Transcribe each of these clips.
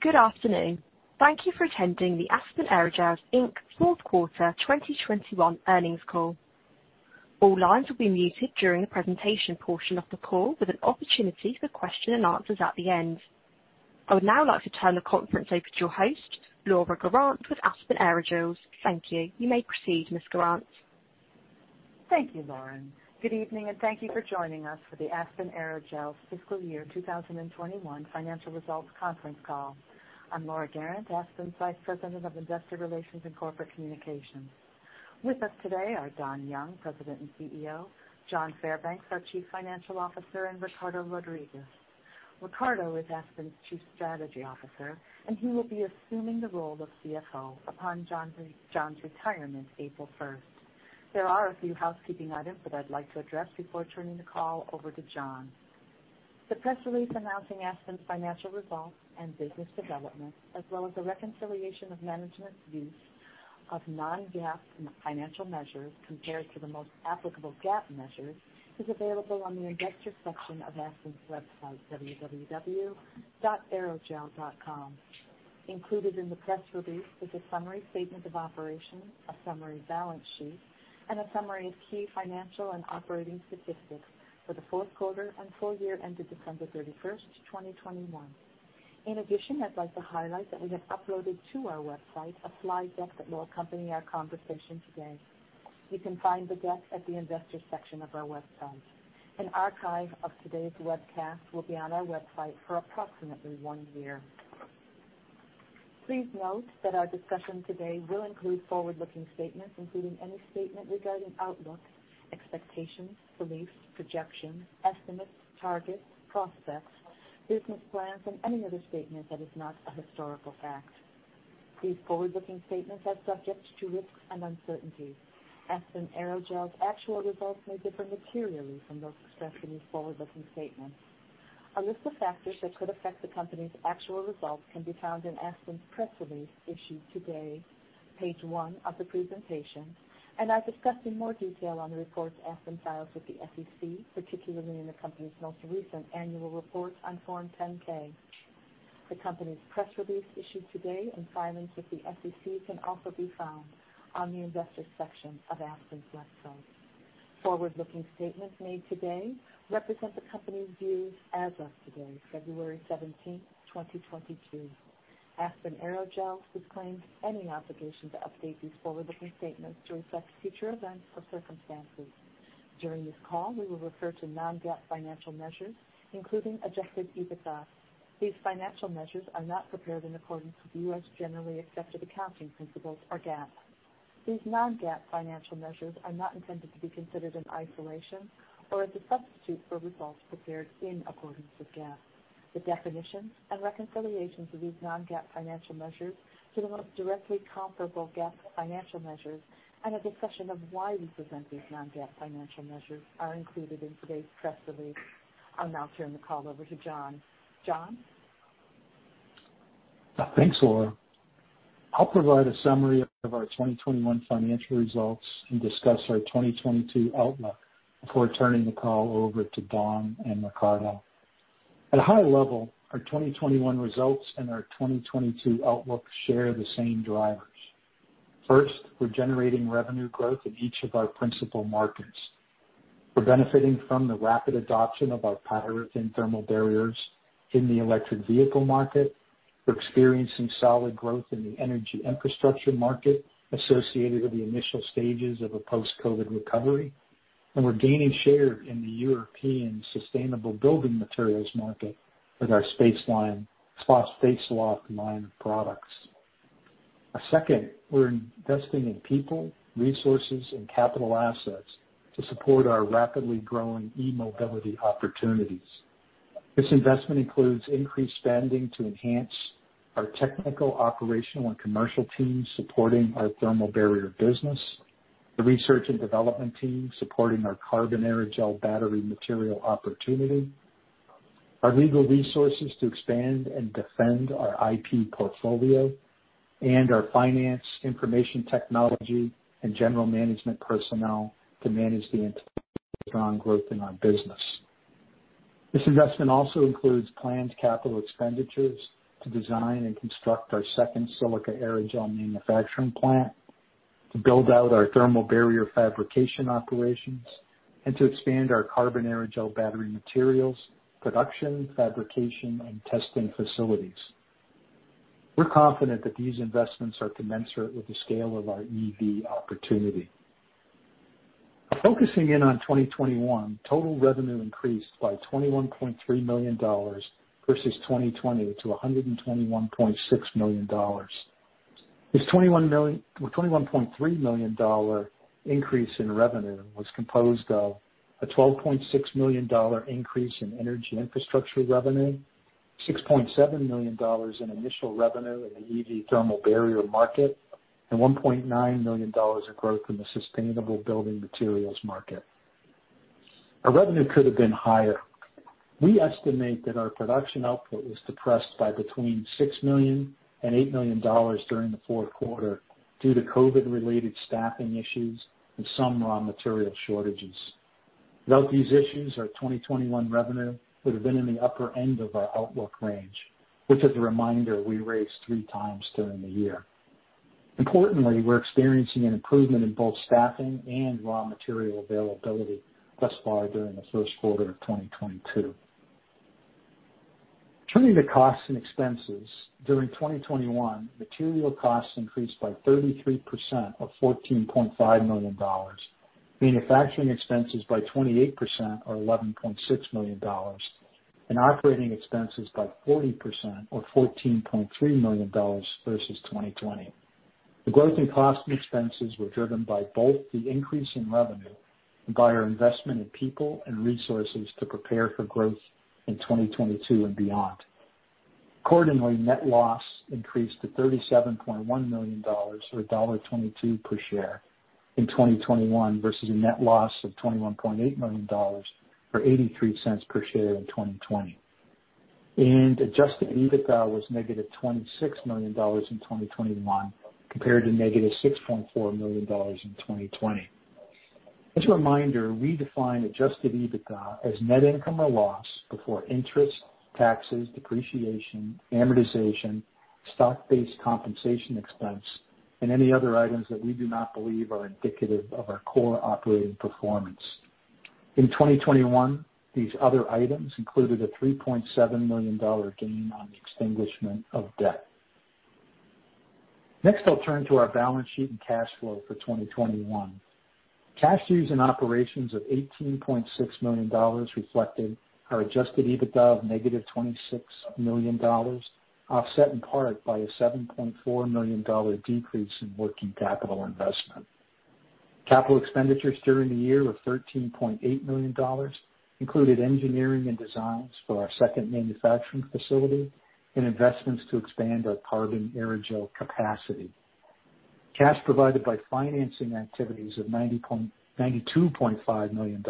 Good afternoon. Thank you for attending the Aspen Aerogels Inc fourth quarter 2021 earnings call. All lines will be muted during the presentation portion of the call with an opportunity for questions and answers at the end. I would now like to turn the conference over to your host, Laura Guerrant with Aspen Aerogels. Thank you. You may proceed, Ms. Guerrant. Thank you, Lauren. Good evening, and thank you for joining us for the Aspen Aerogels fiscal year 2021 financial results conference call. I'm Laura Guerrant, Aspen's Vice President of Investor Relations and Corporate Communications. With us today are Don Young, President and CEO, John Fairbanks, our Chief Financial Officer, and Ricardo Rodriguez. Ricardo is Aspen's Chief Strategy Officer, and he will be assuming the role of CFO upon John's retirement April 1st. There are a few housekeeping items that I'd like to address before turning the call over to John. The press release announcing Aspen's financial results and business developments, as well as a reconciliation of management's use of non-GAAP financial measures compared to the most applicable GAAP measures, is available on the investor section of Aspen's website, www.aerogel.com. Included in the press release is a summary statement of operations, a summary balance sheet, and a summary of key financial and operating statistics for the fourth quarter and full year ended December 31st, 2021. In addition, I'd like to highlight that we have uploaded to our website a slide deck that will accompany our conversation today. You can find the deck at the investor section of our website. An archive of today's webcast will be on our website for approximately one year. Please note that our discussion today will include forward-looking statements, including any statement regarding outlook, expectations, beliefs, projections, estimates, targets, prospects, business plans, and any other statement that is not a historical fact. These forward-looking statements are subject to risks and uncertainties. Aspen Aerogels' actual results may differ materially from those expressed in these forward-looking statements. A list of factors that could affect the company's actual results can be found in Aspen's press release issued today, page one of the presentation, and are discussed in more detail on the reports Aspen files with the SEC, particularly in the company's most recent annual report on Form 10-K. The company's press release issued today and filings with the SEC can also be found on the investor section of Aspen's website. Forward-looking statements made today represent the company's views as of today, February 17, 2022. Aspen Aerogels disclaims any obligation to update these forward-looking statements to reflect future events or circumstances. During this call, we will refer to non-GAAP financial measures, including Adjusted EBITDA. These financial measures are not prepared in accordance with U.S. generally accepted accounting principles, or GAAP. These non-GAAP financial measures are not intended to be considered in isolation or as a substitute for results prepared in accordance with GAAP. The definitions and reconciliations of these non-GAAP financial measures to the most directly comparable GAAP financial measures, and a discussion of why we present these non-GAAP financial measures are included in today's press release. I'll now turn the call over to John. John? Thanks, Laura. I'll provide a summary of our 2021 financial results and discuss our 2022 outlook before turning the call over to Don and Ricardo. At a high level, our 2021 results and our 2022 outlook share the same drivers. First, we're generating revenue growth in each of our principal markets. We're benefiting from the rapid adoption of our PyroThin thermal barriers in the electric vehicle market. We're experiencing solid growth in the energy infrastructure market associated with the initial stages of a post-COVID recovery, and we're gaining share in the European sustainable building materials market with our Spaceloft line of products. Second, we're investing in people, resources, and capital assets to support our rapidly growing e-mobility opportunities. This investment includes increased spending to enhance our technical, operational, and commercial teams supporting our thermal barrier business, the research and development team supporting our carbon aerogel battery material opportunity, our legal resources to expand and defend our IP portfolio, and our finance, information technology, and general management personnel to manage the strong growth in our business. This investment also includes planned capital expenditures to design and construct our second silica aerogel manufacturing plant, to build out our thermal barrier fabrication operations, and to expand our carbon aerogel battery materials production, fabrication, and testing facilities. We're confident that these investments are commensurate with the scale of our EV opportunity. Focusing in on 2021, total revenue increased by $21.3 million versus 2020 to $121.6 million. This $21.3 million increase in revenue was composed of a $12.6 million increase in energy infrastructure revenue, $6.7 million in initial revenue in the EV thermal barrier market, and $1.9 million of growth in the sustainable building materials market. Our revenue could have been higher. We estimate that our production output was depressed by between $6 million and $8 million during the fourth quarter due to COVID-related staffing issues and some raw material shortages. Without these issues, our 2021 revenue would have been in the upper end of our outlook range, which as a reminder, we raised 3x during the year. Importantly, we're experiencing an improvement in both staffing and raw material availability thus far during the first quarter of 2022. Turning to costs and expenses, during 2021, material costs increased by 33% or $14.5 million, manufacturing expenses by 28% or $11.6 million, and operating expenses by 40% or $14.3 million versus 2020. The growth in costs and expenses were driven by both the increase in revenue and by our investment in people and resources to prepare for growth in 2022 and beyond. Accordingly, net loss increased to $37.1 million or $1.22 per share in 2021 versus a net loss of $21.8 million or $0.83 per share in 2020. Adjusted EBITDA was -$26 million in 2021 compared to -$6.4 million in 2020. As a reminder, we define Adjusted EBITDA as net income or loss before interest, taxes, depreciation, amortization, stock-based compensation expense, and any other items that we do not believe are indicative of our core operating performance. In 2021, these other items included a $3.7 million gain on the extinguishment of debt. Next, I'll turn to our balance sheet and cash flow for 2021. Cash used in operations of $18.6 million reflected our Adjusted EBITDA of -$26 million, offset in part by a $7.4 million decrease in working capital investment. Capital expenditures during the year were $13.8 million, including engineering and designs for our second manufacturing facility and investments to expand our carbon aerogel capacity. Cash provided by financing activities of $92.5 million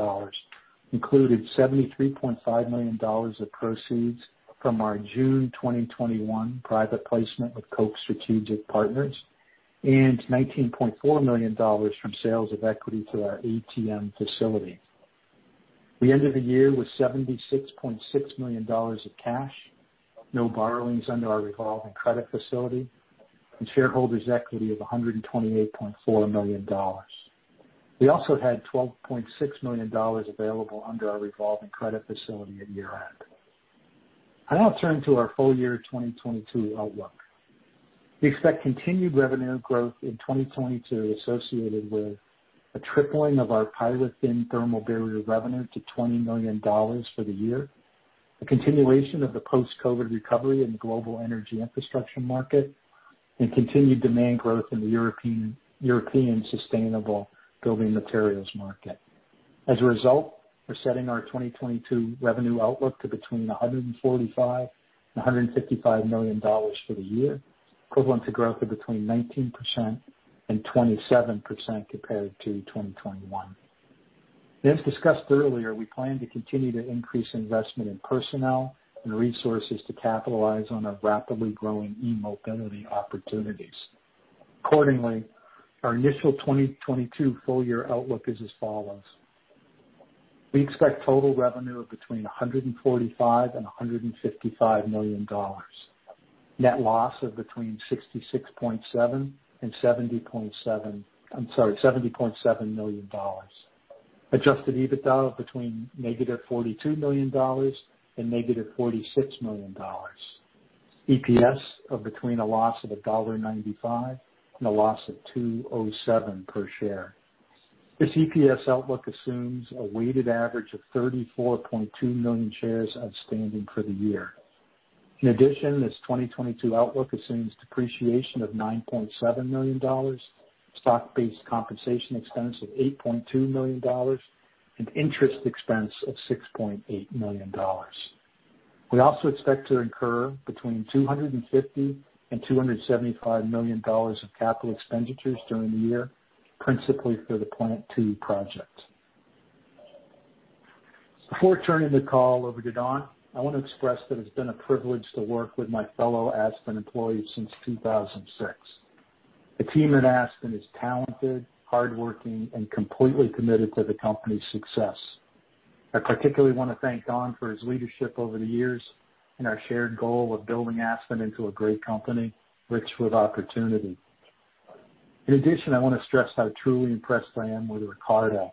included $73.5 million of proceeds from our June 2021 private placement with Koch Strategic Platforms and $19.4 million from sales of equity to our ATM facility. We ended the year with $76.6 million of cash, no borrowings under our revolving credit facility, and shareholders equity of $128.4 million. We also had $12.6 million available under our revolving credit facility at year-end. I now turn to our full year 2022 outlook. We expect continued revenue growth in 2022 associated with a tripling of our PyroThin thermal barrier revenue to $20 million for the year, a continuation of the post-COVID recovery in the global energy infrastructure market, and continued demand growth in the European sustainable building materials market. As a result, we're setting our 2022 revenue outlook to between $145 million and $155 million for the year, equivalent to growth of between 19% and 27% compared to 2021. As discussed earlier, we plan to continue to increase investment in personnel and resources to capitalize on our rapidly-growing e-mobility opportunities. Accordingly, our initial 2022 full year outlook is as follows. We expect total revenue of between $145 million and $155 million. Net loss of between $66.7 million and $70.7 million. Adjusted EBITDA of between -$42 million and -$46 million. EPS of between a loss of $1.95 and a loss of $2.07 per share. This EPS outlook assumes a weighted average of 34.2 million shares outstanding for the year. In addition, this 2022 outlook assumes depreciation of $9.7 million, stock-based compensation expense of $8.2 million, and interest expense of $6.8 million. We also expect to incur between $250 million and $275 million of capital expenditures during the year, principally for the Plant Two project. Before turning the call over to Don, I want to express that it's been a privilege to work with my fellow Aspen employees since 2006. The team at Aspen is talented, hardworking, and completely committed to the company's success. I particularly wanna thank Don for his leadership over the years and our shared goal of building Aspen into a great company, rich with opportunity. In addition, I wanna stress how truly impressed I am with Ricardo.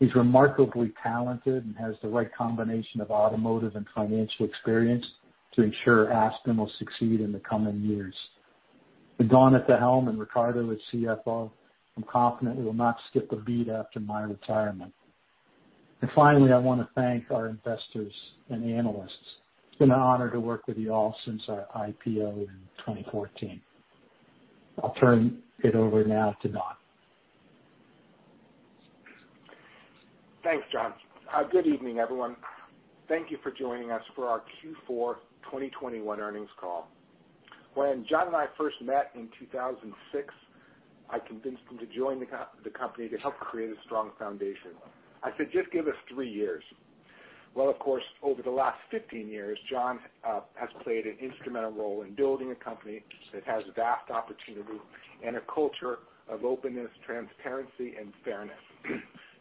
He's remarkably talented and has the right combination of automotive and financial experience to ensure Aspen will succeed in the coming years. With Don at the helm and Ricardo as CFO, I'm confident we will not skip a beat after my retirement. Finally, I wanna thank our investors and analysts. It's been an honor to work with you all since our IPO in 2014. I'll turn it over now to Don. Thanks, John. Good evening, everyone. Thank you for joining us for our Q4 2021 earnings call. When John and I first met in 2006, I convinced him to join the company to help create a strong foundation. I said, "Just give us three years." Well, of course, over the last 15 years, John has played an instrumental role in building a company that has vast opportunity and a culture of openness, transparency, and fairness.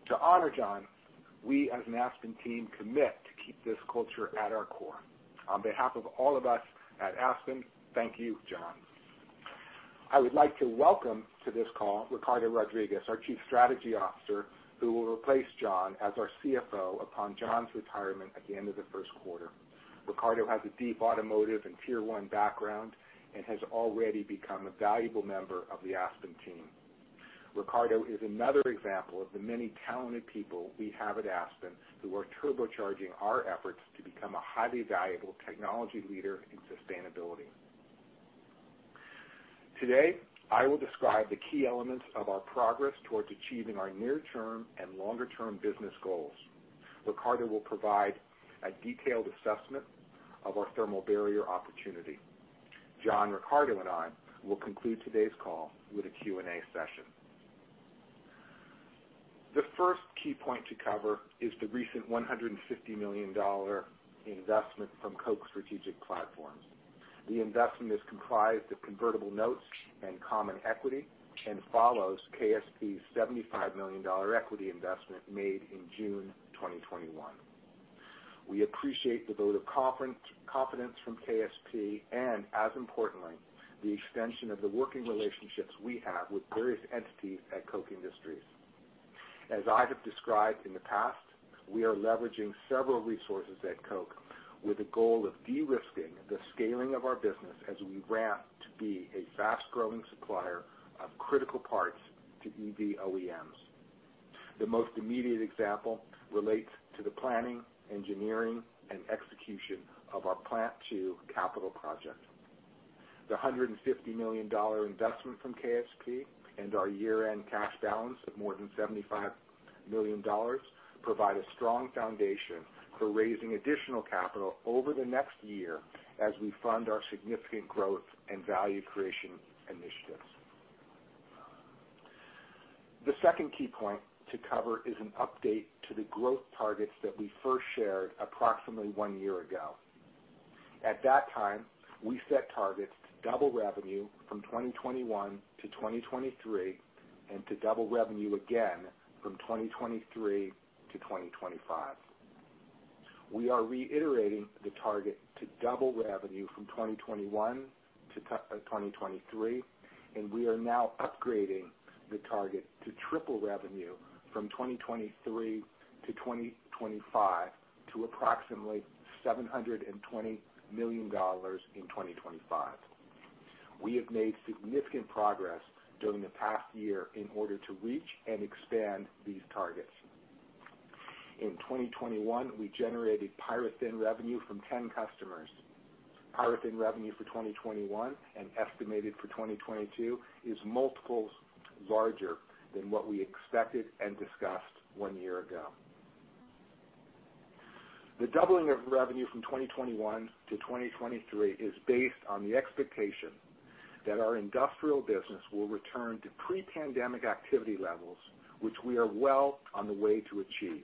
To honor John, we, as an Aspen team, commit to keep this culture at our core. On behalf of all of us at Aspen, thank you, John. I would like to welcome to this call Ricardo Rodriguez, our Chief Strategy Officer, who will replace John as our CFO upon John's retirement at the end of the first quarter. Ricardo has a deep automotive and Tier 1 background and has already become a valuable member of the Aspen team. Ricardo is another example of the many talented people we have at Aspen who are turbocharging our efforts to become a highly valuable technology leader in sustainability. Today, I will describe the key elements of our progress towards achieving our near-term and longer-term business goals. Ricardo will provide a detailed assessment of our thermal barrier opportunity. John, Ricardo, and I will conclude today's call with a Q&A session. The first key point to cover is the recent $150 million investment from Koch Strategic Platforms. The investment is comprised of convertible notes and common equity and follows KSP's $75 million equity investment made in June 2021. We appreciate the vote of confidence from KSP and, as importantly, the extension of the working relationships we have with various entities at Koch Industries. As I have described in the past, we are leveraging several resources at Koch with the goal of de-risking the scaling of our business as we ramp to be a fast-growing supplier of critical parts to EV OEMs. The most immediate example relates to the planning, engineering, and execution of our Plant Two capital project. The $150 million investment from KSP and our year-end cash balance of more than $75 million provide a strong foundation for raising additional capital over the next year as we fund our significant growth and value creation initiatives. The second key point to cover is an update to the growth targets that we first shared approximately one year ago. At that time, we set targets to double revenue from 2021 to 2023, and to double revenue again from 2023 to 2025. We are reiterating the target to double revenue from 2021 to 2023, and we are now upgrading the target to triple revenue from 2023 to 2025 to approximately $720 million in 2025. We have made significant progress during the past year in order to reach and expand these targets. In 2021, we generated PyroThin revenue from 10 customers. PyroThin revenue for 2021 and estimated for 2022 is multiples larger than what we expected and discussed one year ago. The doubling of revenue from 2021 to 2023 is based on the expectation that our industrial business will return to pre-pandemic activity levels, which we are well on the way to achieve,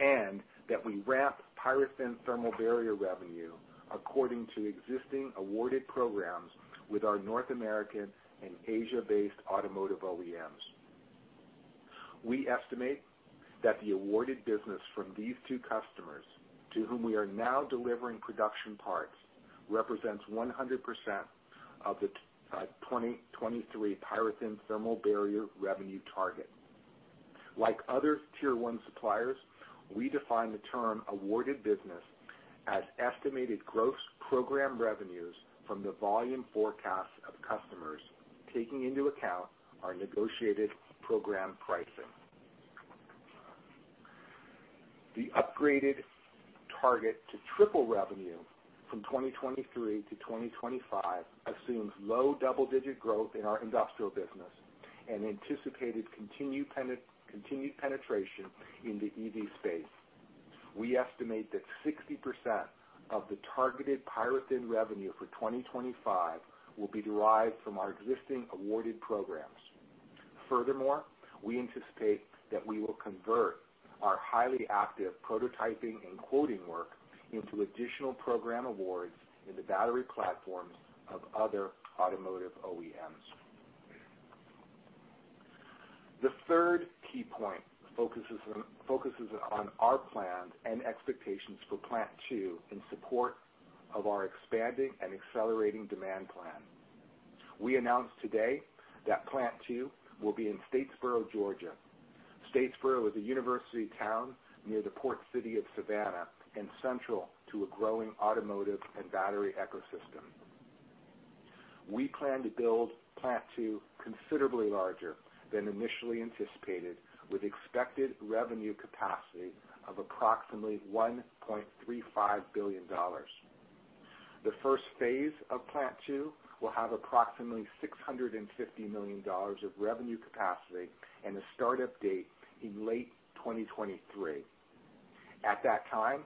and that we ramp PyroThin thermal barrier revenue according to existing awarded programs with our North American and Asia-based automotive OEMs. We estimate that the awarded business from these two customers, to whom we are now delivering production parts, represents 100% of the 2023 PyroThin thermal barrier revenue target. Like other Tier 1 suppliers, we define the term awarded business as estimated gross program revenues from the volume forecast of customers, taking into account our negotiated program pricing. The upgraded target to triple revenue from 2023 to 2025 assumes low double-digit growth in our industrial business and anticipated continued penetration in the EV space. We estimate that 60% of the targeted PyroThin revenue for 2025 will be derived from our existing awarded programs. Furthermore, we anticipate that we will convert our highly active prototyping and quoting work into additional program awards in the battery platforms of other automotive OEMs. The third key point focuses on our plans and expectations for Plant Two in support of our expanding and accelerating demand plan. We announced today that Plant Two will be in Statesboro, Georgia. Statesboro is a university town near the port city of Savannah and central to a growing automotive and battery ecosystem. We plan to build Plant Two considerably larger than initially anticipated, with expected revenue capacity of approximately $1.35 billion. The first phase of Plant Two will have approximately $650 million of revenue capacity and a start-up date in late 2023. At that time,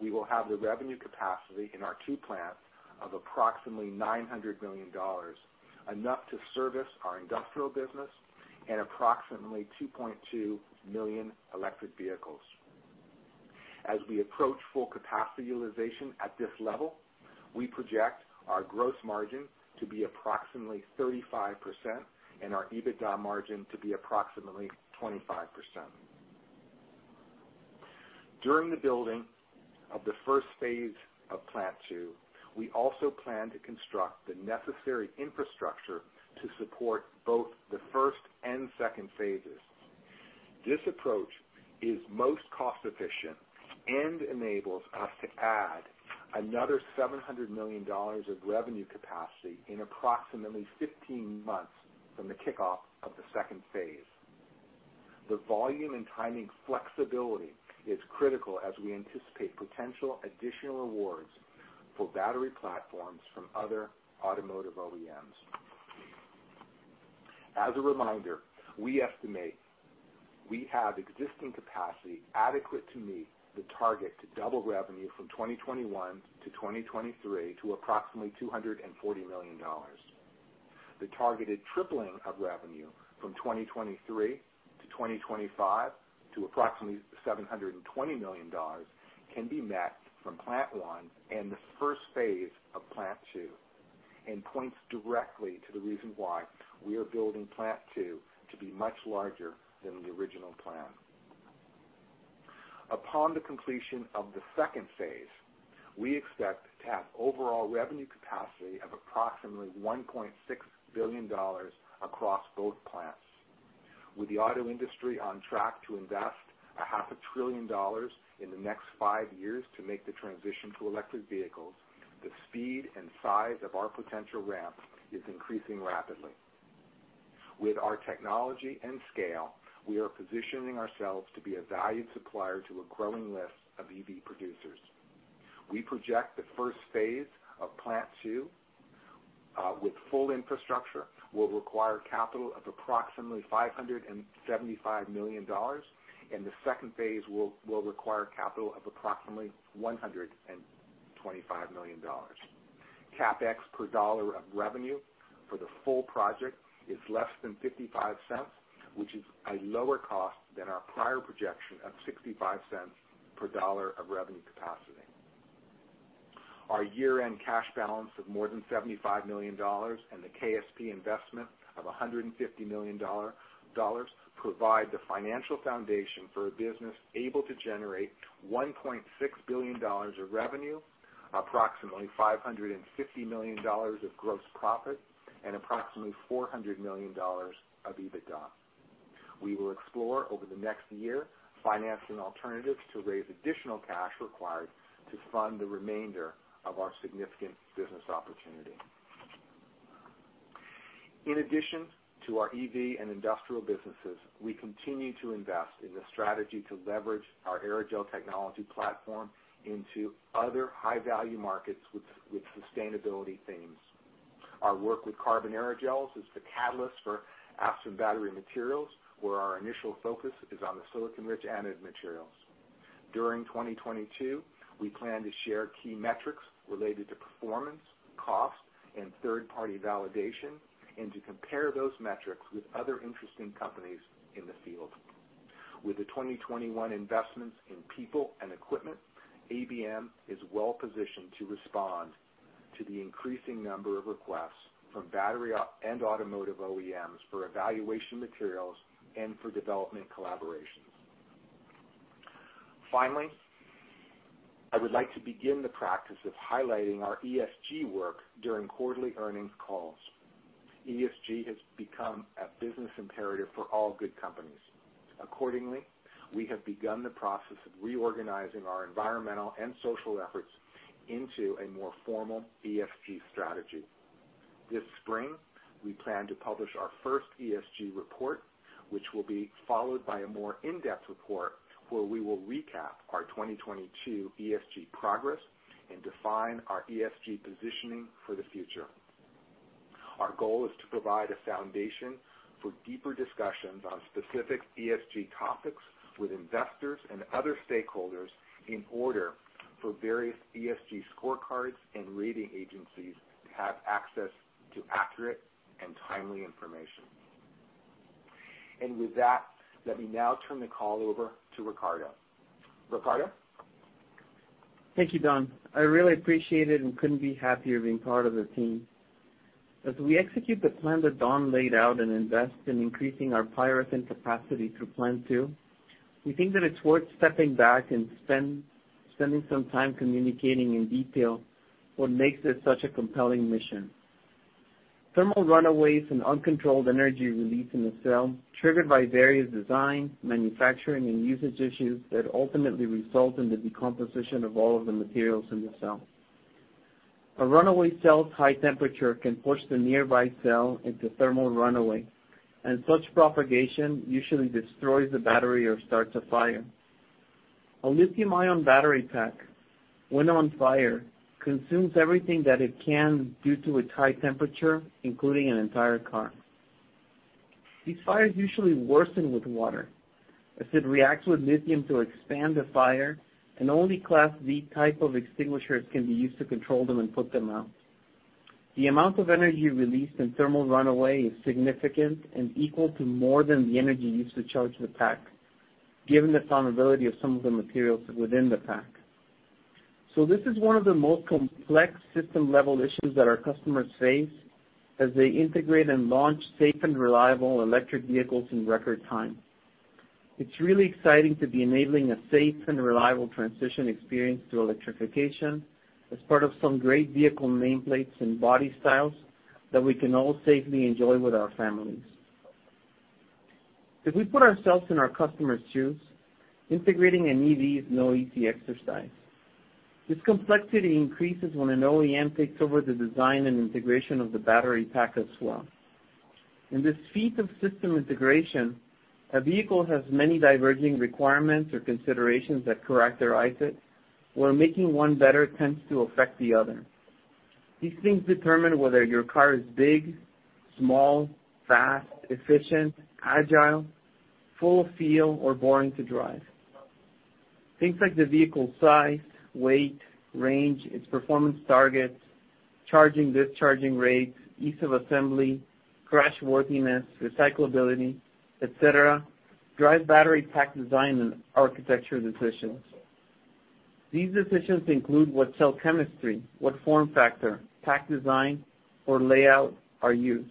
we will have the revenue capacity in our two plants of approximately $900 million, enough to service our industrial business and approximately 2.2 million electric vehicles. As we approach full capacity utilization at this level, we project our gross margin to be approximately 35% and our EBITDA margin to be approximately 25%. During the building of the first phase of Plant Two, we also plan to construct the necessary infrastructure to support both the first and second phases. This approach is most cost efficient and enables us to add another $700 million of revenue capacity in approximately 15 months from the kickoff of the second phase. The volume and timing flexibility is critical as we anticipate potential additional awards for battery platforms from other automotive OEMs. As a reminder, we estimate we have existing capacity adequate to meet the target to double revenue from 2021 to 2023 to approximately $240 million. The targeted tripling of revenue from 2023 to 2025 to approximately $720 million can be met from Plant One and the first phase of Plant Two, and points directly to the reason why we are building Plant Two to be much larger than the original plan. Upon the completion of the second phase, we expect to have overall revenue capacity of approximately $1.6 billion across both plants. With the auto industry on track to invest $0.5 trillion in the next five years to make the transition to electric vehicles, the speed and size of our potential ramp is increasing rapidly. With our technology and scale, we are positioning ourselves to be a valued supplier to a growing list of EV producers. We project the first phase of Plant Two, with full infrastructure, will require capital of approximately $575 million, and the second phase will require capital of approximately $125 million. CapEx per dollar of revenue for the full project is less than $0.55, which is a lower cost than our prior projection of 65 cents per dollar of revenue capacity. Our year-end cash balance of more than $75 million and the KSP investment of $150 million provide the financial foundation for a business able to generate $1.6 billion of revenue, approximately $550 million of gross profit, and approximately $400 million of EBITDA. We will explore over the next year financing alternatives to raise additional cash required to fund the remainder of our significant business opportunity. In addition to our EV and industrial businesses, we continue to invest in the strategy to leverage our aerogel technology platform into other high-value markets with sustainability themes. Our work with carbon aerogels is the catalyst for Aspen Battery Materials, where our initial focus is on the silicon-rich anode materials. During 2022, we plan to share key metrics related to performance, cost, and third-party validation, and to compare those metrics with other interesting companies in the field. With the 2021 investments in people and equipment, ABM is well-positioned to respond to the increasing number of requests from battery and automotive OEMs for evaluation materials and for development collaborations. Finally, I would like to begin the practice of highlighting our ESG work during quarterly earnings calls. ESG has become a business imperative for all good companies. Accordingly, we have begun the process of reorganizing our environmental and social efforts into a more formal ESG strategy. This spring, we plan to publish our first ESG report, which will be followed by a more in-depth report where we will recap our 2022 ESG progress and define our ESG positioning for the future. Our goal is to provide a foundation for deeper discussions on specific ESG topics with investors and other stakeholders in order for various ESG scorecards and rating agencies to have access to accurate and timely information. With that, let me now turn the call over to Ricardo. Ricardo? Thank you, Don. I really appreciate it and couldn't be happier being part of the team. As we execute the plan that Don laid out and invest in increasing our PyroThin capacity through Plant Two, we think that it's worth stepping back and spending some time communicating in detail what makes this such a compelling mission. Thermal runaways and uncontrolled energy release in the cell, triggered by various design, manufacturing, and usage issues that ultimately result in the decomposition of all of the materials in the cell. A runaway cell's high temperature can push the nearby cell into thermal runaway, and such propagation usually destroys the battery or starts a fire. A lithium-ion battery pack, when on fire, consumes everything that it can due to its high temperature, including an entire car. These fires usually worsen with water as it reacts with lithium to expand the fire, and only Class D type of extinguishers can be used to control them and put them out. The amount of energy released in thermal runaway is significant and equal to more than the energy used to charge the pack, given the flammability of some of the materials within the pack. This is one of the most complex system-level issues that our customers face as they integrate and launch safe and reliable electric vehicles in record time. It's really exciting to be enabling a safe and reliable transition experience to electrification as part of some great vehicle nameplates and body styles that we can all safely enjoy with our families. If we put ourselves in our customers' shoes, integrating an EV is no easy exercise. This complexity increases when an OEM takes over the design and integration of the battery pack as well. In this feat of system integration, a vehicle has many diverging requirements or considerations that characterize it, where making one better tends to affect the other. These things determine whether your car is big, small, fast, efficient, agile, fun feel, or boring to drive. Things like the vehicle size, weight, range, its performance targets, charging/discharging rates, ease of assembly, crashworthiness, recyclability, etc, a, drive battery pack design and architecture decisions. These decisions include what cell chemistry, what form factor, pack design, or layout are used,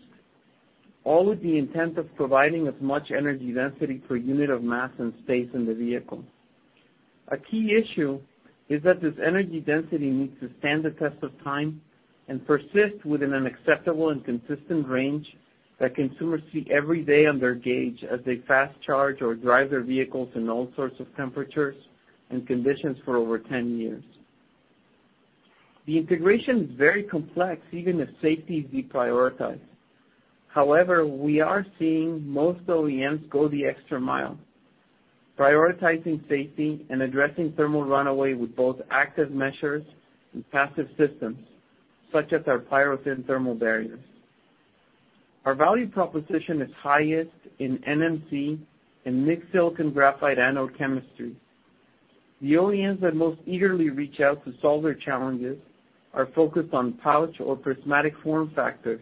all with the intent of providing as much energy density per unit of mass and space in the vehicle. A key issue is that this energy density needs to stand the test of time and persist within an acceptable and consistent range that consumers see every day on their gauge as they fast charge or drive their vehicles in all sorts of temperatures and conditions for over 10 years. The integration is very complex, even if safety is deprioritized. However, we are seeing most OEMs go the extra mile, prioritizing safety and addressing thermal runaway with both active measures and passive systems, such as our PyroThin thermal barriers. Our value proposition is highest in NMC and mixed silicon graphite anode chemistry. The OEMs that most eagerly reach out to solve their challenges are focused on pouch or prismatic form factors,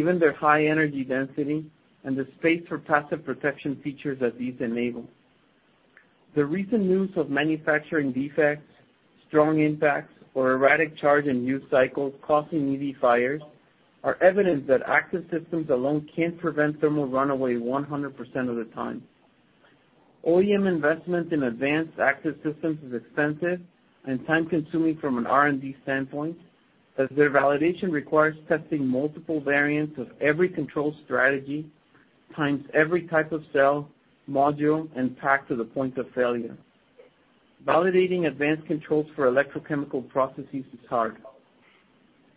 given their high energy density and the space for passive protection features that these enable. The recent news of manufacturing defects, strong impacts, or erratic charge and use cycles causing EV fires are evidence that active systems alone can't prevent thermal runaway 100% of the time. OEM investment in advanced active systems is expensive and time-consuming from an R&D standpoint, as their validation requires testing multiple variants of every control strategy, times every type of cell, module, and pack to the point of failure. Validating advanced controls for electrochemical processes is hard.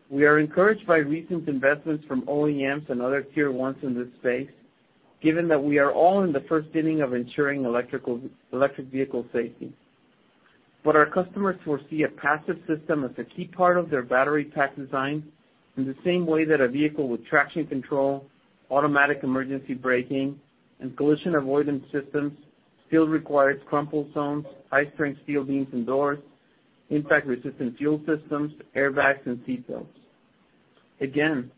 We are encouraged by recent investments from OEMs and other tier ones in this space, given that we are all in the first inning of ensuring electric vehicle safety. Our customers foresee a passive system as a key part of their battery pack design in the same way that a vehicle with traction control, automatic emergency braking, and collision avoidance systems still requires crumple zones, high-strength steel beams and doors, impact-resistant fuel systems, airbags, and seat belts. Again,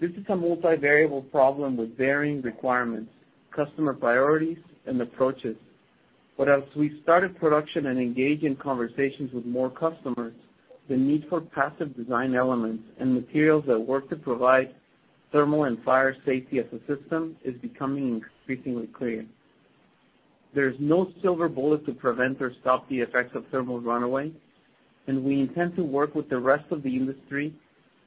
this is a multivariable problem with varying requirements, customer priorities, and approaches. As we started production and engage in conversations with more customers, the need for passive design elements and materials that work to provide thermal and fire safety as a system is becoming increasingly clear. There is no silver bullet to prevent or stop the effects of thermal runaway, and we intend to work with the rest of the industry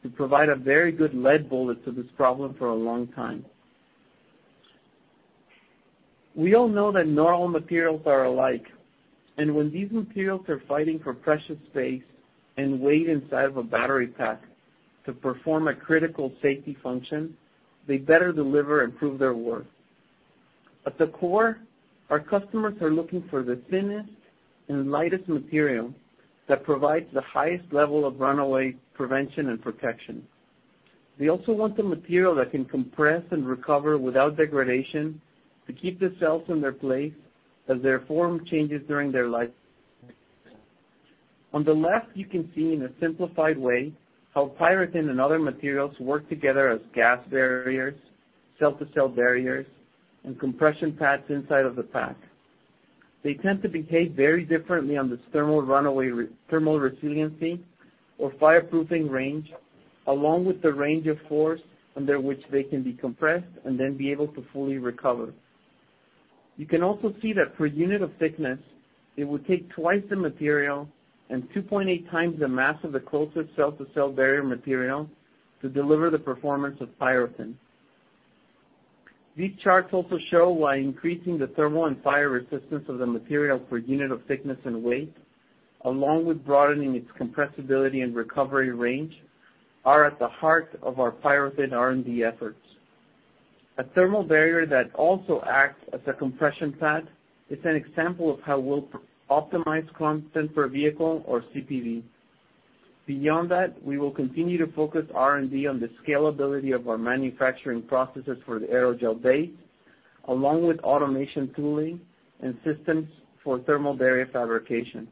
to provide a very good lead bullet to this problem for a long time. We all know that not all materials are alike, and when these materials are fighting for precious space and weight inside of a battery pack to perform a critical safety function, they better deliver and prove their worth. At the core, our customers are looking for the thinnest and lightest material that provides the highest level of runaway prevention and protection. They also want the material that can compress and recover without degradation to keep the cells in their place as their form changes during their life. On the left, you can see in a simplified way how PyroThin and other materials work together as gas barriers, cell-to-cell barriers, and compression pads inside of the pack. They tend to behave very differently on this thermal runaway thermal resiliency or fireproofing range, along with the range of force under which they can be compressed and then be able to fully recover. You can also see that per unit of thickness, it would take twice the material and 2.8x the mass of the closest cell-to-cell barrier material to deliver the performance of PyroThin. These charts also show why increasing the thermal and fire resistance of the material per unit of thickness and weight, along with broadening its compressibility and recovery range, are at the heart of our PyroThin R&D efforts. A thermal barrier that also acts as a compression pad is an example of how we'll optimize content per vehicle or CPV. Beyond that, we will continue to focus R&D on the scalability of our manufacturing processes for the aerogel base, along with automation tooling and systems for thermal barrier fabrication.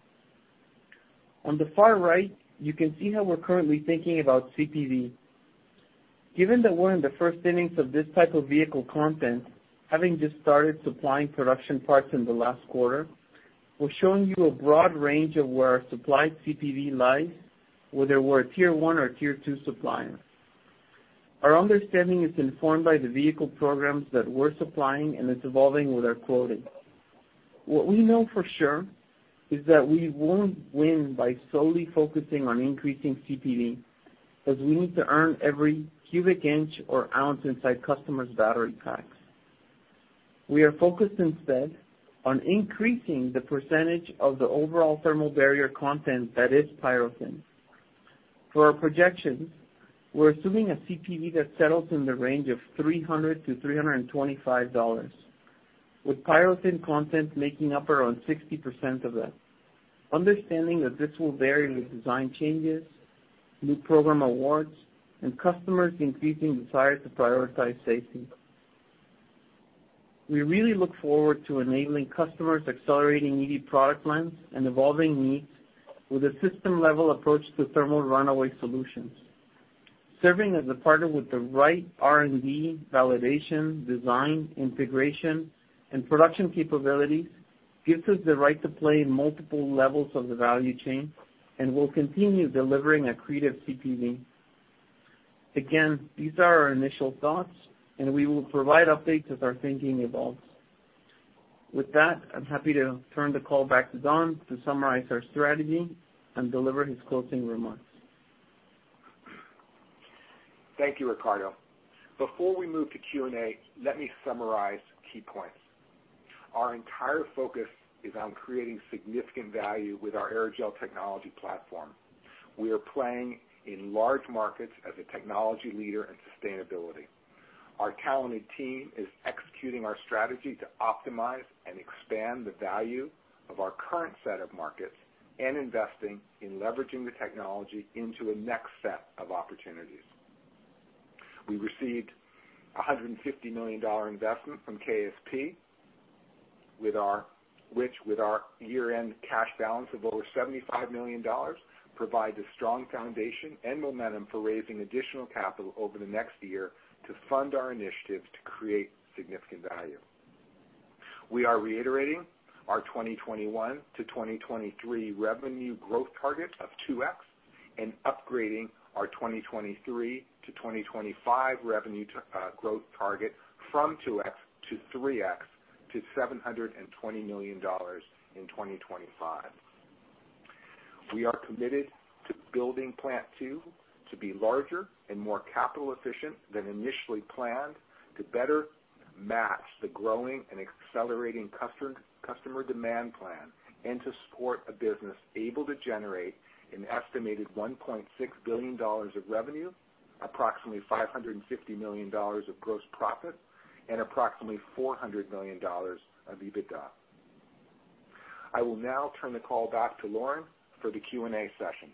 On the far right, you can see how we're currently thinking about CPV. Given that we're in the first innings of this type of vehicle content, having just started supplying production parts in the last quarter, we're showing you a broad range of where our supplied CPV lies, whether we're a Tier 1 or Tier 2 supplier. Our understanding is informed by the vehicle programs that we're supplying and it's evolving with our quoting. What we know for sure is that we won't win by solely focusing on increasing CPV, as we need to earn every cubic inch or ounce inside customers' battery packs. We are focused instead on increasing the percentage of the overall thermal barrier content that is PyroThin. For our projections, we're assuming a CPV that settles in the range of $300-$325, with PyroThin content making up around 60% of that. Understanding that this will vary with design changes, new program awards, and customers' increasing desire to prioritize safety. We really look forward to enabling customers accelerating EV product lines and evolving needs with a system-level approach to thermal runaway solutions. Serving as a partner with the right R&D, validation, design, integration, and production capabilities gives us the right to play in multiple levels of the value chain, and we'll continue delivering accretive CPV. Again, these are our initial thoughts, and we will provide updates as our thinking evolves. With that, I'm happy to turn the call back to Don to summarize our strategy and deliver his closing remarks. Thank you, Ricardo. Before we move to Q&A, let me summarize key points. Our entire focus is on creating significant value with our aerogel technology platform. We are playing in large markets as a technology leader in sustainability. Our talented team is executing our strategy to optimize and expand the value of our current set of markets and investing in leveraging the technology into a next set of opportunities. We received a $150 million investment from KSP, which, with our year-end cash balance of over $75 million, provides a strong foundation and momentum for raising additional capital over the next year to fund our initiatives to create significant value. We are reiterating our 2021 to 2023 revenue growth target of 2x and upgrading our 2023 to 2025 revenue growth target from 2x to 3x to $720 million in 2025. We are committed to building Plant Two to be larger and more capital efficient than initially planned to better match the growing and accelerating customer demand plan and to support a business able to generate an estimated $1.6 billion of revenue, approximately $550 million of gross profit, and approximately $400 million of EBITDA. I will now turn the call back to Lauren for the Q&A session.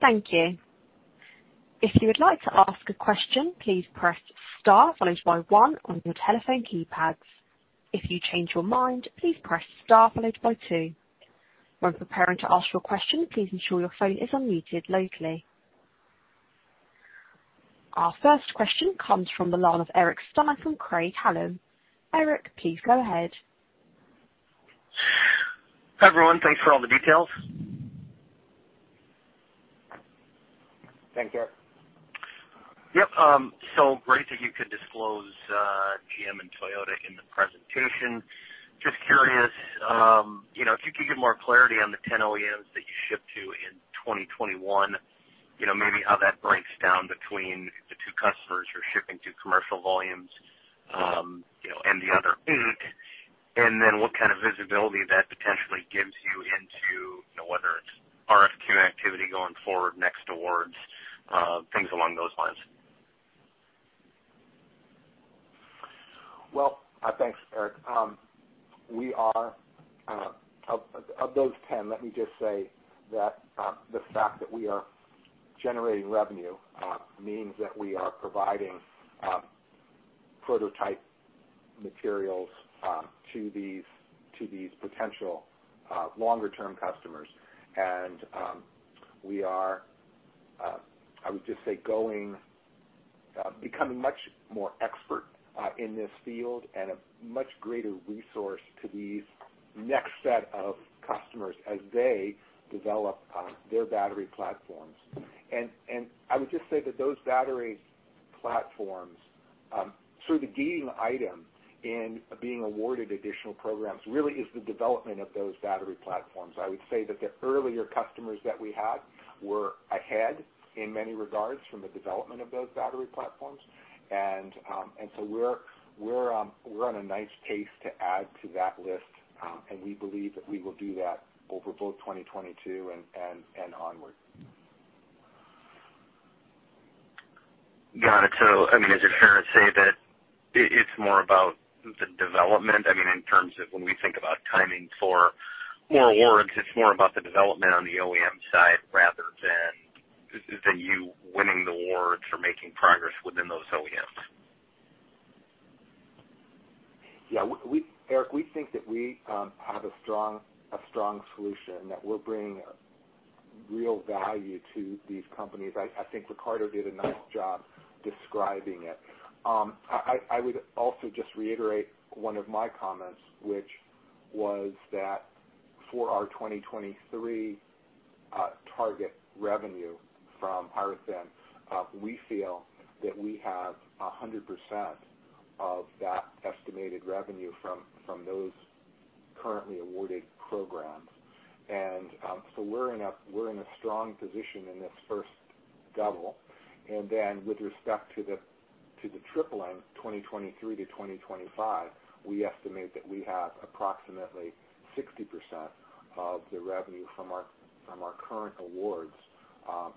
Thank you. If you would like to ask a question, please press star followed by one on your telephone keypads. If you change your mind, please press star followed by two. When preparing to ask your question, please ensure your phone is unmuted locally. Our first question comes from the line of Eric Stine from Craig-Hallum. Eric, please go ahead. Hi, everyone. Thanks for all the details. Thanks, Eric. Yep. So great that you could disclose GM and Toyota in the presentation. Just curious, you know, if you could give more clarity on the 10 OEMs that you ship to in 2021, you know, maybe how that breaks down between the two customers you're shipping to commercial volumes, you know, and the other eight. Then what kind of visibility that potentially gives you into, you know, whether it's RFQ activity going forward next awards, things along those lines. Well, thanks, Eric. We are one of those 10, let me just say that the fact that we are generating revenue means that we are providing prototype materials to these potential longer term customers. We are, I would just say, becoming much more expert in this field and a much greater resource to these next set of customers as they develop their battery platforms. I would just say that those battery platforms, sort of the gating item in being awarded additional programs, really is the development of those battery platforms. I would say that the earlier customers that we had were ahead in many regards from the development of those battery platforms. We're on a nice pace to add to that list, and we believe that we will do that over both 2022 and onward. Got it. I mean, is it fair to say that it's more about the development? I mean, in terms of when we think about timing for more awards, it's more about the development on the OEM side rather than you winning the awards or making progress within those OEMs. Yeah. Eric, we think that we have a strong solution that we're bringing real value to these companies. I think Ricardo did a nice job describing it. I would also just reiterate one of my comments, which was that for our 2023 target revenue from PyroThin, we feel that we have 100% of that estimated revenue from those currently awarded programs. We're in a strong position in this first double. Then with respect to the tripling, 2023 to 2025, we estimate that we have approximately 60% of the revenue from our current awards,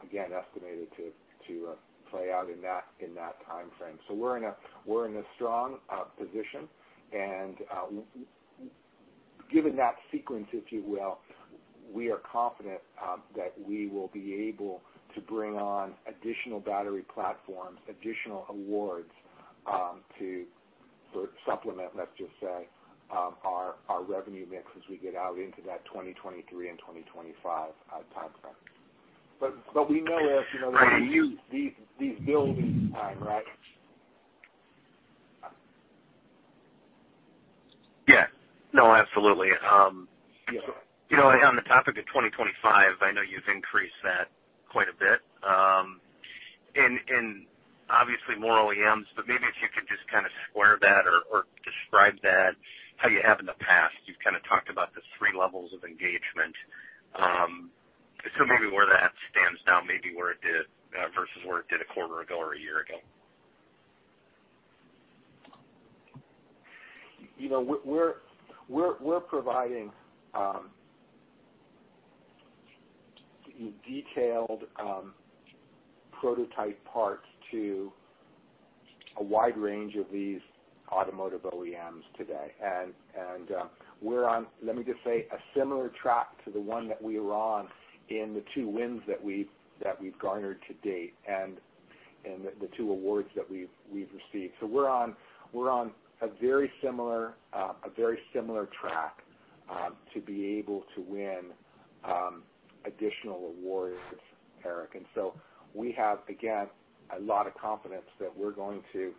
again estimated to play out in that timeframe. We're in a strong position. Given that sequence, if you will, we are confident that we will be able to bring on additional battery platforms, additional awards, to sort of supplement, let's just say, our revenue mix as we get out into that 2023 and 2025 timeframe. But we know, Eric, you know. These build each time, right? Yeah. No, absolutely. Yeah. You know, on the topic of 2025, I know you've increased that quite a bit. Obviously more OEMs, but maybe if you could just kinda square that or describe that how you have in the past. You've kinda talked about the three levels of engagement. Maybe where that stands now, maybe where it did versus where it did a quarter ago or a year ago. You know, we're providing detailed prototype parts to a wide range of these automotive OEMs today. We're on, let me just say, a similar track to the one that we were on in the two wins that we've garnered to date and the two awards that we've received. We're on a very similar track to be able to win additional awards, Eric. We have, again, a lot of confidence that we're going to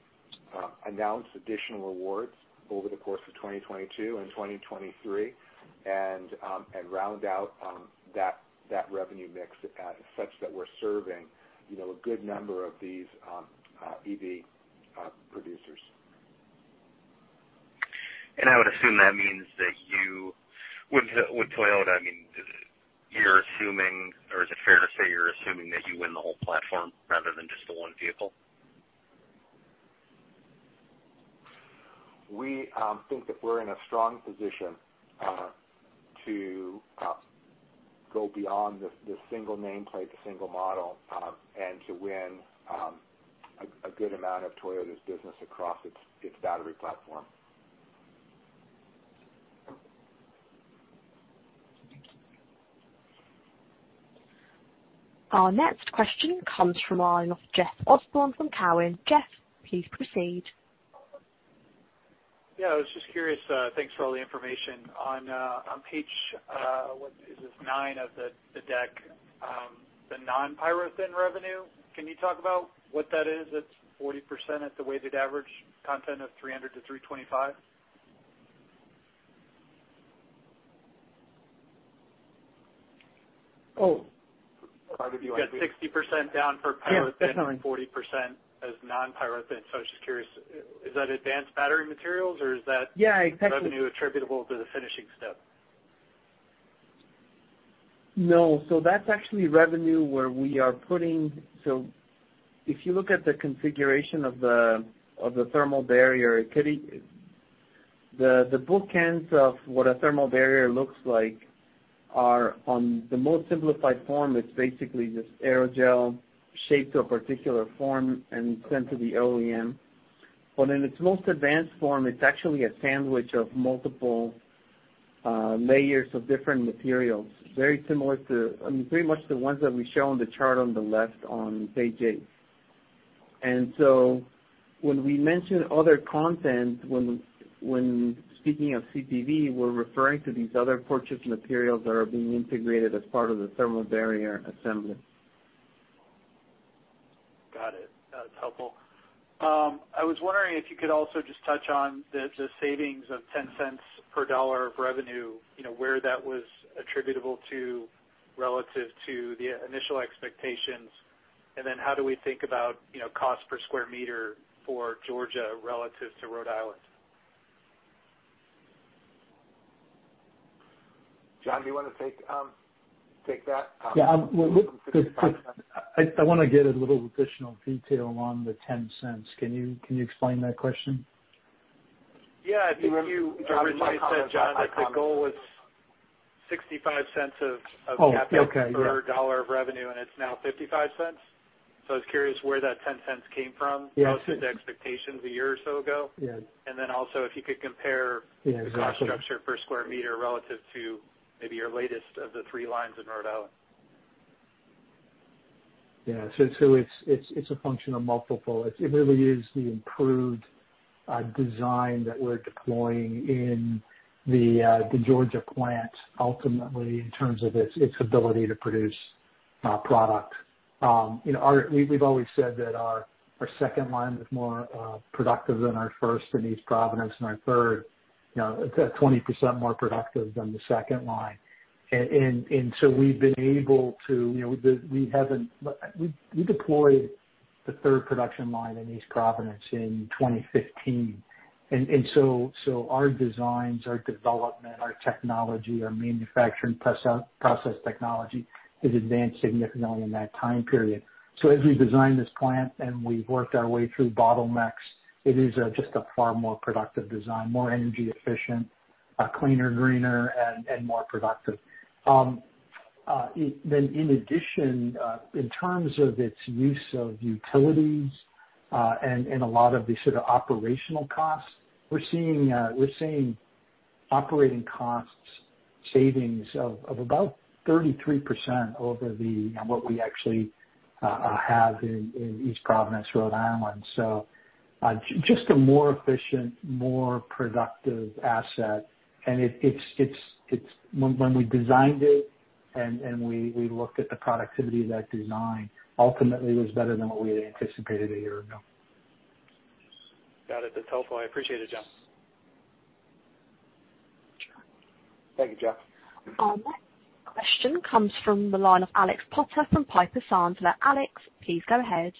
announce additional awards over the course of 2022 and 2023 and round out that revenue mix such that we're serving, you know, a good number of these EV producers. I would assume that means that you with Toyota, I mean, you're assuming or is it fair to say you're assuming that you win the whole platform rather than just the one vehicle? We think that we're in a strong position to go beyond the single nameplate, the single model, and to win a good amount of Toyota's business across its battery platform. Our next question comes from the line of Jeff Osborne from Cowen. Jeff, please proceed. Yeah, I was just curious. Thanks for all the information. On page nine of the deck, the non-PyroThin revenue, can you talk about what that is? It's 40% at the weighted average content of $300-$325. Oh. Pardon me. You got 60% down for PyroThin. Yeah, definitely. 40% as non-PyroThin. I was just curious, is that advanced battery materials or is that- Yeah, exactly. Revenue attributable to the finishing step? No. That's actually revenue where we are putting, if you look at the configuration of the thermal barrier, the bookends of what a thermal barrier looks like are on the most simplified form. It's basically just aerogel shaped to a particular form and sent to the OEM. But in its most advanced form, it's actually a sandwich of multiple layers of different materials, very similar to, I mean, pretty much the ones that we show on the chart on the left on page eight. When we mention other content when speaking of CPV, we're referring to these other purchased materials that are being integrated as part of the thermal barrier assembly. Got it. That's helpful. I was wondering if you could also just touch on the savings of $0.10 per dollar of revenue, you know, where that was attributable to relative to the initial expectations. How do we think about, you know, cost per square meter for Georgia relative to Rhode Island? John, do you wanna take that? Yeah. Well, look, I wanna get a little additional detail on the $0.10. Can you explain that question? Yeah, I think you originally said, John, that the goal was $0.65 of CapEx- Oh, okay. Yeah. ...per dollar of revenue, and it's now $0.55. I was curious where that $0.10 came from- Yeah. ...relative to expectations a year or so ago. Yeah. If you could compare- Yeah, gotcha. ...the cost structure per square meter relative to maybe your latest of the three lines in Rhode. Yeah. It's a function of multiple. It really is the improved design that we're deploying in the Georgia plant, ultimately, in terms of its ability to produce product. You know, we've always said that our second line was more productive than our first in East Providence and our third, you know, it's at 20% more productive than the second line. We've been able to, you know. We deployed the third production line in East Providence in 2015. Our designs, our development, our technology, our manufacturing process technology has advanced significantly in that time period. As we designed this plant, and we've worked our way through bottlenecks, it is just a far more productive design, more energy-efficient, cleaner, greener, and more productive. In addition, in terms of its use of utilities, and a lot of the sort of operational costs, we're seeing operating costs savings of about 33% over the, you know, what we actually have in East Providence, Rhode Island. Just a more efficient, more productive asset. It's when we designed it and we looked at the productivity of that design ultimately was better than what we had anticipated a year ago. Got it. That's helpful. I appreciate it, John. Thank you, Jeff. Our next question comes from the line of Alex Potter from Piper Sandler. Alex, please go ahead.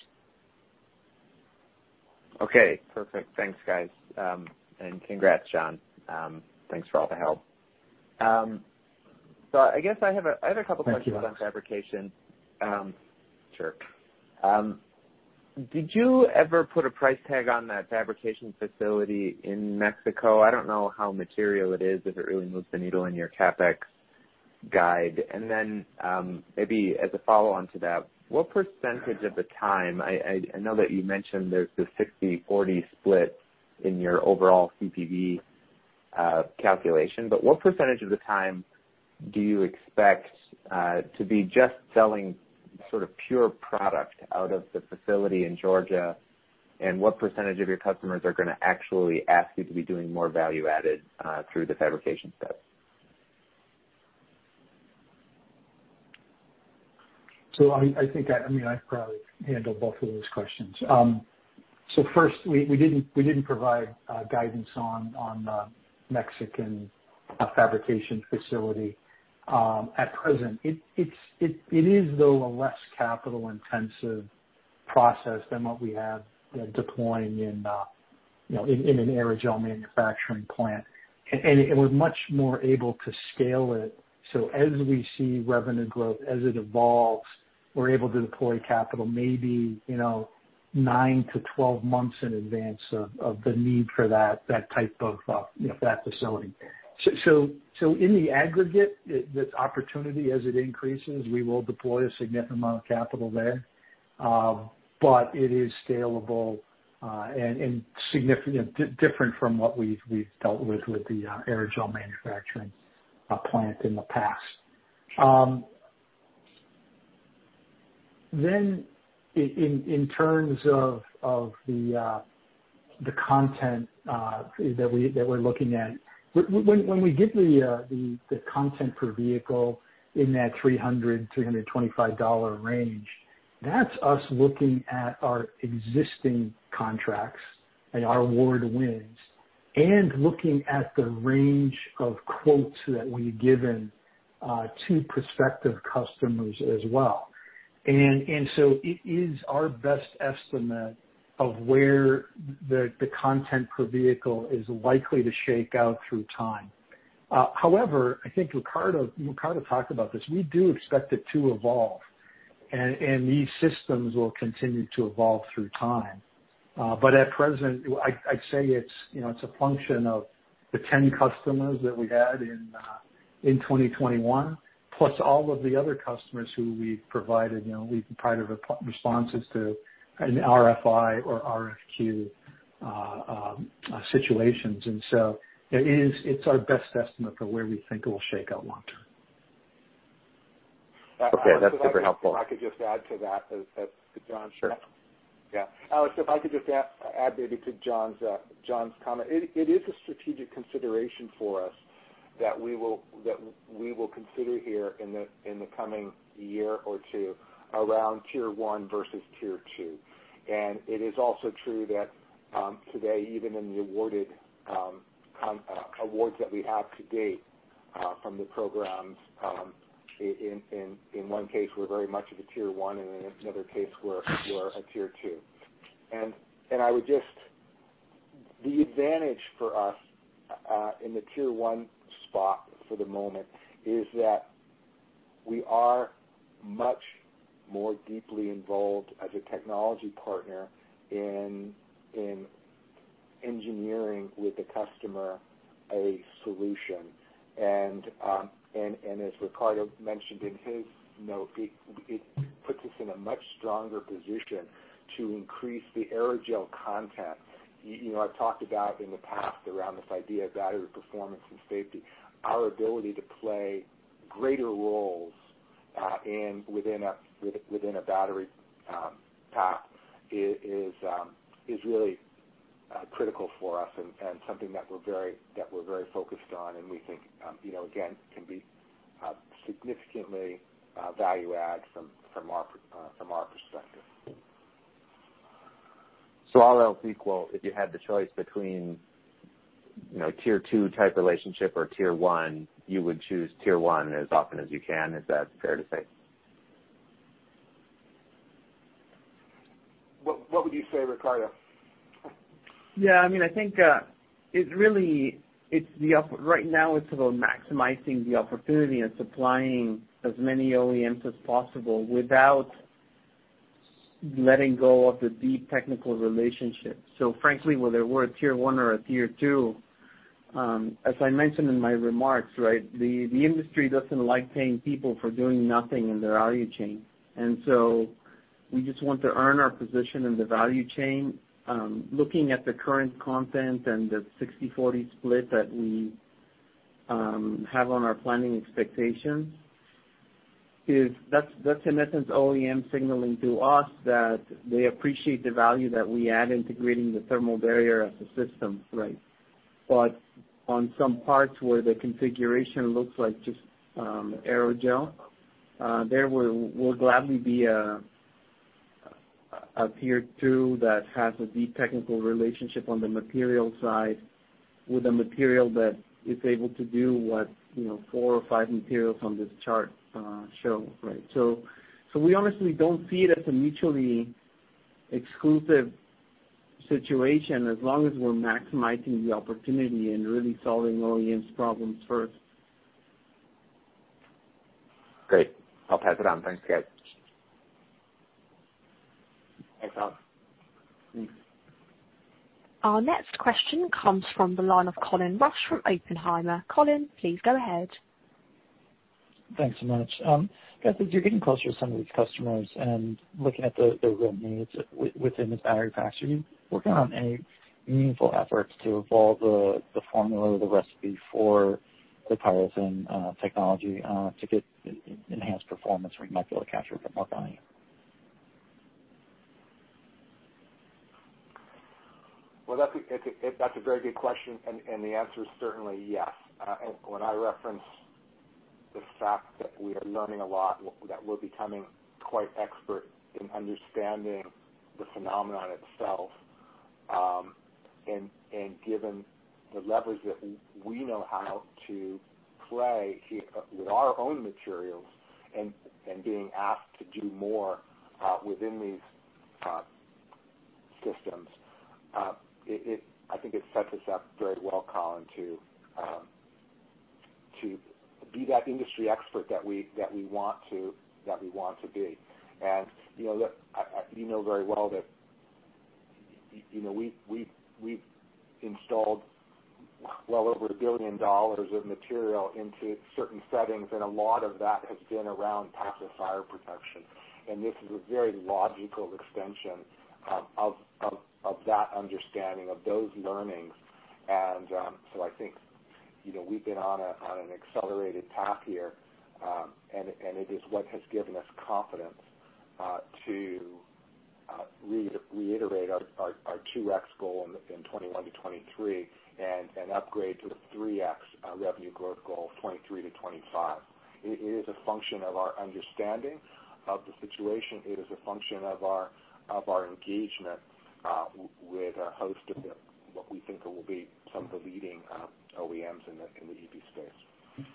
Okay. Perfect. Thanks, guys. Congrats, John. Thanks for all the help. I guess I have a couple questions- Thank you, Alex. about fabrication. Did you ever put a price tag on that fabrication facility in Mexico? I don't know how material it is, if it really moves the needle in your CapEx guide. Maybe as a follow-on to that, what percentage of the time I know that you mentioned there's the 60/40 split in your overall CPV calculation, but what percentage of the time do you expect to be just selling sort of pure product out of the facility in Georgia? What percentage of your customers are gonna actually ask you to be doing more value added through the fabrication step? I think I mean, I can probably handle both of those questions. First, we didn't provide guidance on the Mexican fabrication facility at present. It is, though, a less capital-intensive process than what we have, you know, deploying in you know in an aerogel manufacturing plant. And we're much more able to scale it. As we see revenue growth, as it evolves, we're able to deploy capital maybe, you know, 9-12 months in advance of the need for that type of facility. In the aggregate, this opportunity as it increases, we will deploy a significant amount of capital there. It is scalable and significantly different from what we've dealt with the aerogel manufacturing plant in the past. In terms of the content that we're looking at, when we get the content per vehicle in that $325 range, that's us looking at our existing contracts and our award wins and looking at the range of quotes that we've given to prospective customers as well. It is our best estimate of where the content per vehicle is likely to shake out through time. However, I think Ricardo talked about this. We do expect it to evolve, and these systems will continue to evolve through time. At present, I'd say it's a function of the 10 customers that we had in 2021, plus all of the other customers who we've provided responses to an RFI or RFQ situations. It is our best estimate for where we think it will shake out long term. Okay. That's super helpful. If I could just add to that as to John's. Sure. Yeah. Alex, if I could just add maybe to John's comment. It is a strategic consideration for us that we will consider here in the coming year or two around Tier 1 versus Tier 2. It is also true that today, even in the awarded awards that we have to date from the programs, in one case, we're very much of a Tier 1, and in another case, we're a Tier 2. I would just, the advantage for us in the Tier 1 spot for the moment is that we are much more deeply involved as a technology partner in engineering with the customer a solution. As Ricardo mentioned in his note, it puts us in a much stronger position to increase the aerogel content. You know, I've talked about in the past around this idea of battery performance and safety. Our ability to play greater roles within a battery pack is really critical for us and something that we're very focused on, and we think, you know, again, can be significantly value add from our perspective. All else equal, if you had the choice between, you know, Tier 2-type relationship or Tier 1, you would choose Tier 1 as often as you can. Is that fair to say? What would you say, Ricardo? Yeah, I mean, I think it really is. Right now it's about maximizing the opportunity and supplying as many OEMs as possible without letting go of the deep technical relationships. Frankly, whether we're a Tier 1 or a Tier 2, as I mentioned in my remarks, the industry doesn't like paying people for doing nothing in their value chain. We just want to earn our position in the value chain. Looking at the current content and the 60/40 split that we have on our planning expectations, that is in essence OEM signaling to us that they appreciate the value that we add, integrating the thermal barrier as a system, right? On some parts where the configuration looks like just aerogel, there we'll gladly be a Tier 2 that has a deep technical relationship on the material side with a material that is able to do what, you know, four or five materials on this chart show, right? We honestly don't see it as a mutually exclusive situation as long as we're maximizing the opportunity and really solving OEMs' problems first. Great. I'll pass it on. Thanks, guys. Thanks, Alex. Our next question comes from the line of Colin Rusch from Oppenheimer. Colin, please go ahead. Thanks so much. Guys, as you're getting closer to some of these customers and looking at the real needs within this battery pack, are you working on any meaningful efforts to evolve the formula or the recipe for the PyroThin technology to get enhanced performance where you might be able to capture a bit more value? Well, that's a very good question, and the answer is certainly yes. When I reference the fact that we are learning a lot, that we're becoming quite expert in understanding the phenomenon itself, and given the leverage that we know how to play with our own materials and being asked to do more within these systems, it sets us up very well, Colin, to be that industry expert that we want to be. You know, look, I you know very well that you know, we've installed well over $1 billion of material into certain settings, and a lot of that has been around passive fire protection. This is a very logical extension of that understanding of those learnings. So I think, you know, we've been on an accelerated path here. It is what has given us confidence to reiterate our 2x goal in 2021 to 2023 and upgrade to the 3x revenue growth goal 2023 to 2025. It is a function of our understanding of the situation. It is a function of our engagement with a host of what we think will be some of the leading OEMs in the EV space.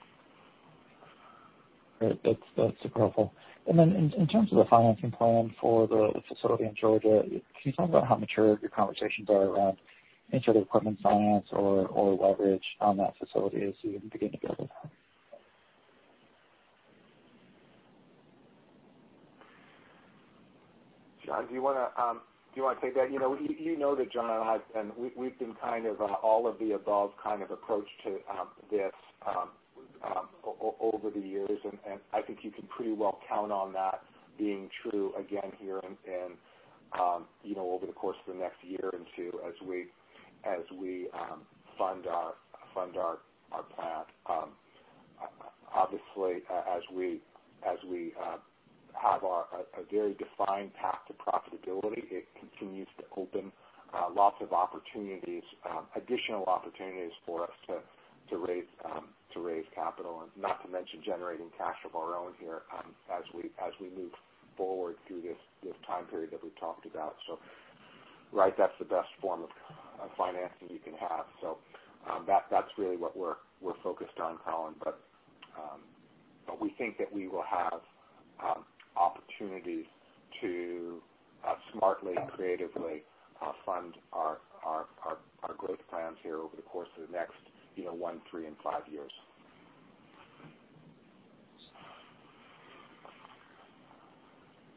Great. That's super helpful. In terms of the financing plan for the facility in Georgia, can you talk about how mature your conversations are around insured equipment finance or leverage on that facility as you begin to build it? John, do you wanna take that? You know that John and I have been—we've been kind of an all of the above kind of approach to this over the years. I think you can pretty well count on that being true again here and you know, over the course of the next year or two as we fund our plan. Obviously, as we have a very defined path to profitability, it continues to open lots of opportunities, additional opportunities for us to raise capital and not to mention generating cash of our own here, as we move forward through this time period that we've talked about. Right, that's the best form of financing you can have. That's really what we're focused on, Colin. We think that we will have to smartly and creatively fund our growth plans here over the course of the next, you know, one, three, and five years.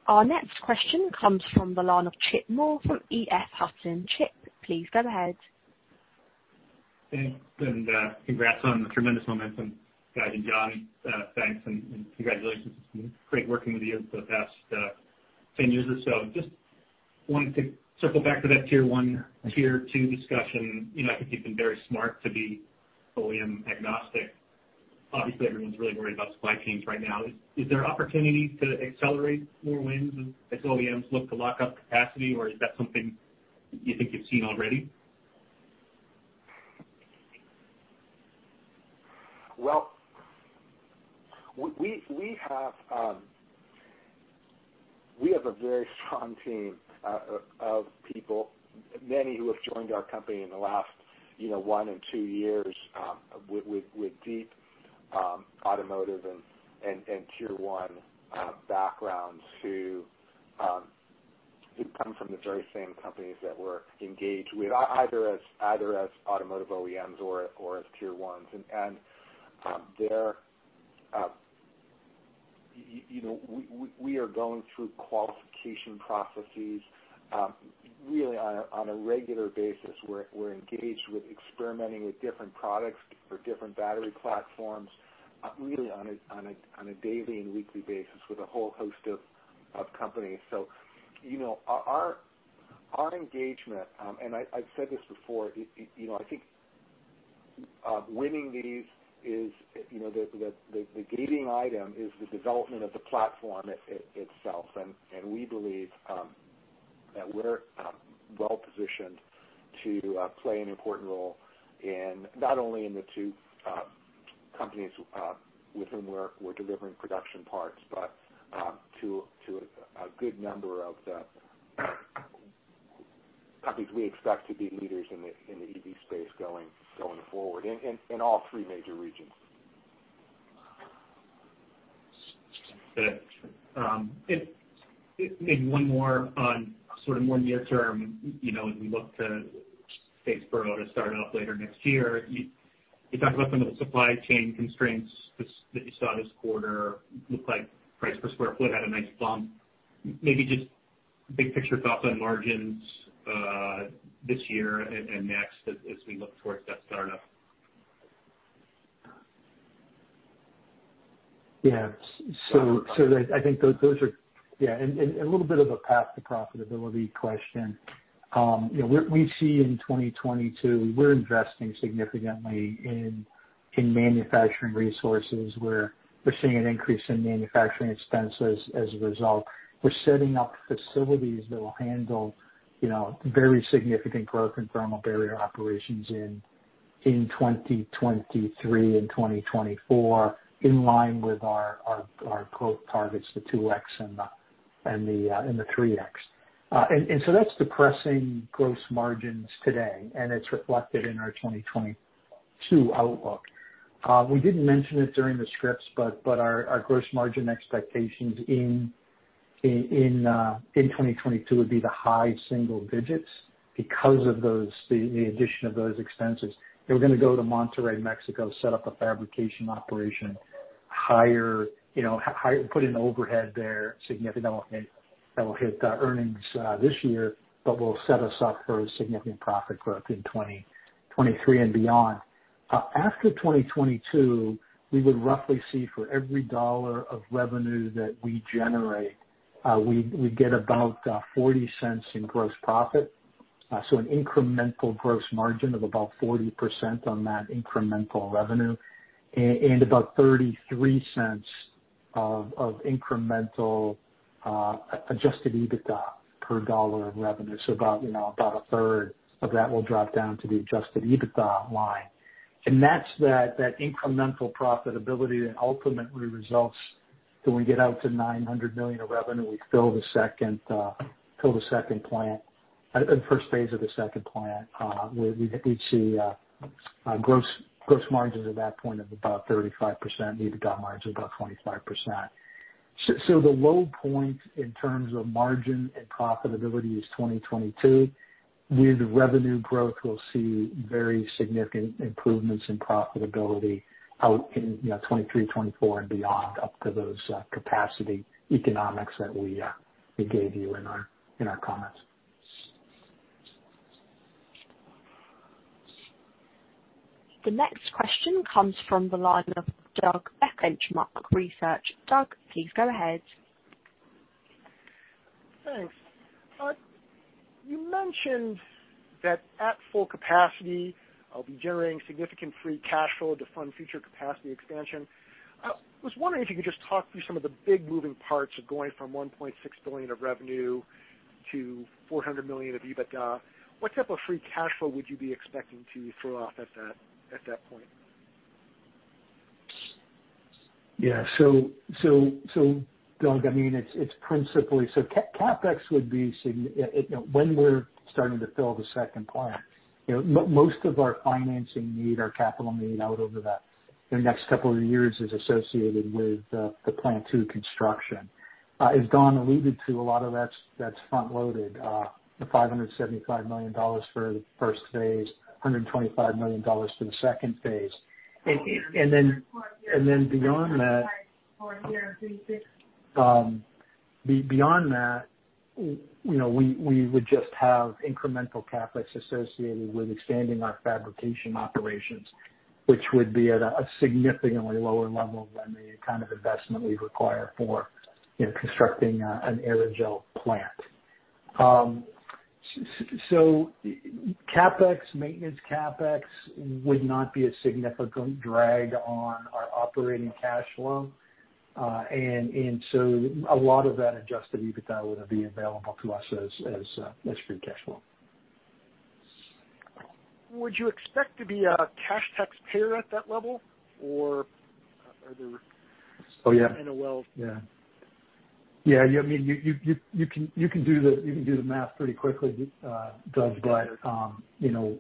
Our next question comes from the line of Chip Moore from EF Hutton. Chip, please go ahead. Thanks. Congrats on the tremendous momentum, Guy and John. Thanks and congratulations. It's been great working with you over the past 10 years or so. Just wanted to circle back to that Tier 1, Tier 2 discussion. You know, I think you've been very smart to be OEM agnostic. Obviously, everyone's really worried about supply chains right now. Is there opportunity to accelerate more wins as OEMs look to lock up capacity, or is that something you think you've seen already? Well, we have a very strong team of people, many who have joined our company in the last, you know, one and two years, with deep automotive and Tier 1 backgrounds who come from the very same companies that we're engaged with, either as automotive OEMs or as Tier 1s. You know, we are going through qualification processes really on a regular basis. We're engaged with experimenting with different products for different battery platforms really on a daily and weekly basis with a whole host of companies. You know, our engagement, and I've said this before. You know, I think winning these is, you know, the gating item is the development of the platform itself. We believe that we're well-positioned to play an important role not only in the two companies with whom we're delivering production parts, but to a good number of the companies we expect to be leaders in the EV space going forward in all three major regions. Good. Maybe one more on sort of more near term, you know, as we look to Statesboro to start off later next year. You talked about some of the supply chain constraints that you saw this quarter. Looked like price per square foot had a nice bump. Maybe just big picture thoughts on margins, this year and next as we look towards that startup. Yeah. So I think those are, yeah, a little bit of a path to profitability question. You know, we see in 2022, we're investing significantly in manufacturing resources. We're seeing an increase in manufacturing expenses as a result. We're setting up facilities that will handle, you know, very significant growth in thermal barrier operations in 2023 and 2024, in line with our growth targets, the 2x and the 3x. So that's depressing gross margins today, and it's reflected in our 2022 outlook. We didn't mention it during the scripts, but our gross margin expectations in 2022 would be the high single digits because of the addition of those expenses. They were gonna go to Monterrey, Mexico, set up a fabrication operation, hire, put in overhead there. Significant that will hit earnings this year, but will set us up for a significant profit growth in 2023 and beyond. After 2022, we would roughly see for every dollar of revenue that we generate, we get about $0.40 in gross profit. So an incremental gross margin of about 40% on that incremental revenue and about $0.33 of incremental Adjusted EBITDA per dollar of revenue. About, you know, a third of that will drop down to the Adjusted EBITDA line. That's that incremental profitability that ultimately results till we get out to $900 million of revenue, we fill the second plant, the first phase of the second plant, we'd see gross margins at that point of about 35%, EBITDA margin of about 25%. So the low point in terms of margin and profitability is 2022. With revenue growth, we'll see very significant improvements in profitability out in, you know, 2023, 2024 and beyond, up to those capacity economics that we gave you in our comments. The next question comes from the line of Doug Becker at The Benchmark Company. Doug, please go ahead. Thanks. You mentioned that at full capacity, we'll be generating significant free cash flow to fund future capacity expansion. Was wondering if you could just talk through some of the big moving parts of going from $1.6 billion of revenue to $400 million of EBITDA. What type of free cash flow would you be expecting to throw off at that point? Yeah. Doug, I mean, it's principally, CapEx, you know, when we're starting to fill the second plant, you know, most of our financing need, our capital need over the next couple of years is associated with the Plant Two construction. As Don alluded to, a lot of that's front loaded. The $575 million for the first phase, $125 million for the second phase. And then beyond that, you know, we would just have incremental CapEx associated with expanding our fabrication operations, which would be at a significantly lower level than the kind of investment we require for constructing an aerogel plant. CapEx, maintenance CapEx would not be a significant drag on our operating cash flow. A lot of that Adjusted EBITDA would be available to us as free cash flow. Would you expect to be a cash taxpayer at that level or are there- Oh, yeah. ...NOLs? Yeah. I mean, you can do the math pretty quickly, Doug, but you know,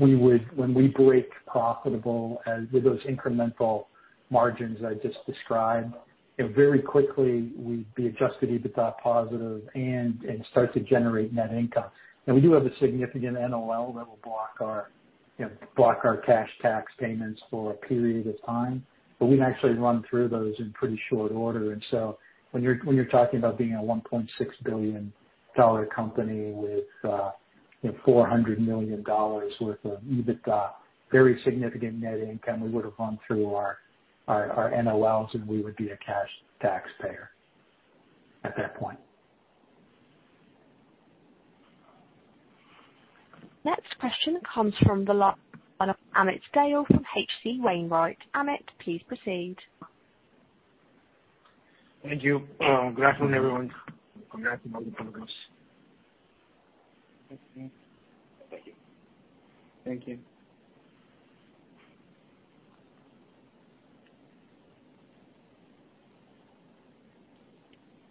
we would—when we become profitable with those incremental margins I just described, you know, very quickly we'd be Adjusted EBITDA positive and start to generate net income. Now we do have a significant NOL that will block our cash tax payments for a period of time, but we can actually run through those in pretty short order. When you're talking about being a $1.6 billion company with $400 million worth of EBITDA, very significant net income, we would have run through our NOLs, and we would be a cash taxpayer at that point. Next question comes from the line of Amit Dayal from H.C. Wainwright. Amit, please proceed. Thank you. Good afternoon, everyone. Congrats on the progress. Thank you. Thank you.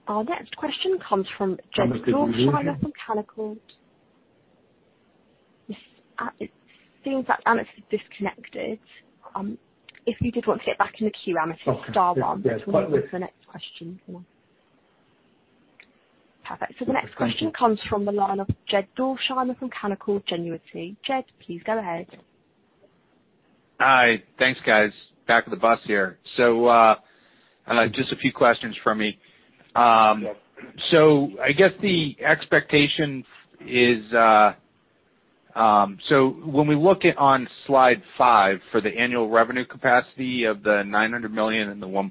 Our next question comes from Jed Dorsheimer from Canaccord. It seems that Amit is disconnected. If you did want to get back in the queue, Amit, it's star one, until we move to the next question. Perfect. The next question comes from the line of Jed Dorsheimer from Canaccord Genuity. Jed, please go ahead. Hi. Thanks, guys. Back of the bus here. Just a few questions from me. I guess the expectation is, when we look at slide five for the annual revenue capacity of the $900 million and the $1.6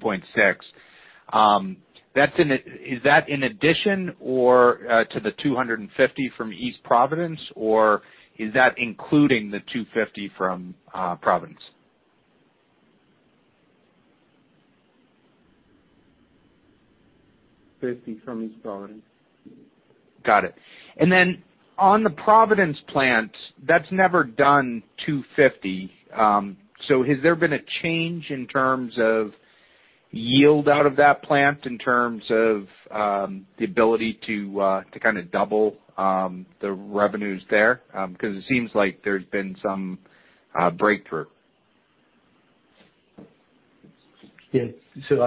billion, is that in addition or to the $250 million from East Providence or is that including the $250 million from Providence? 50 from East Providence. Got it. On the Providence plant, that's never done 250. Has there been a change in terms of yield out of that plant in terms of the ability to kind of double the revenues there? Because it seems like there's been some breakthrough. Yeah.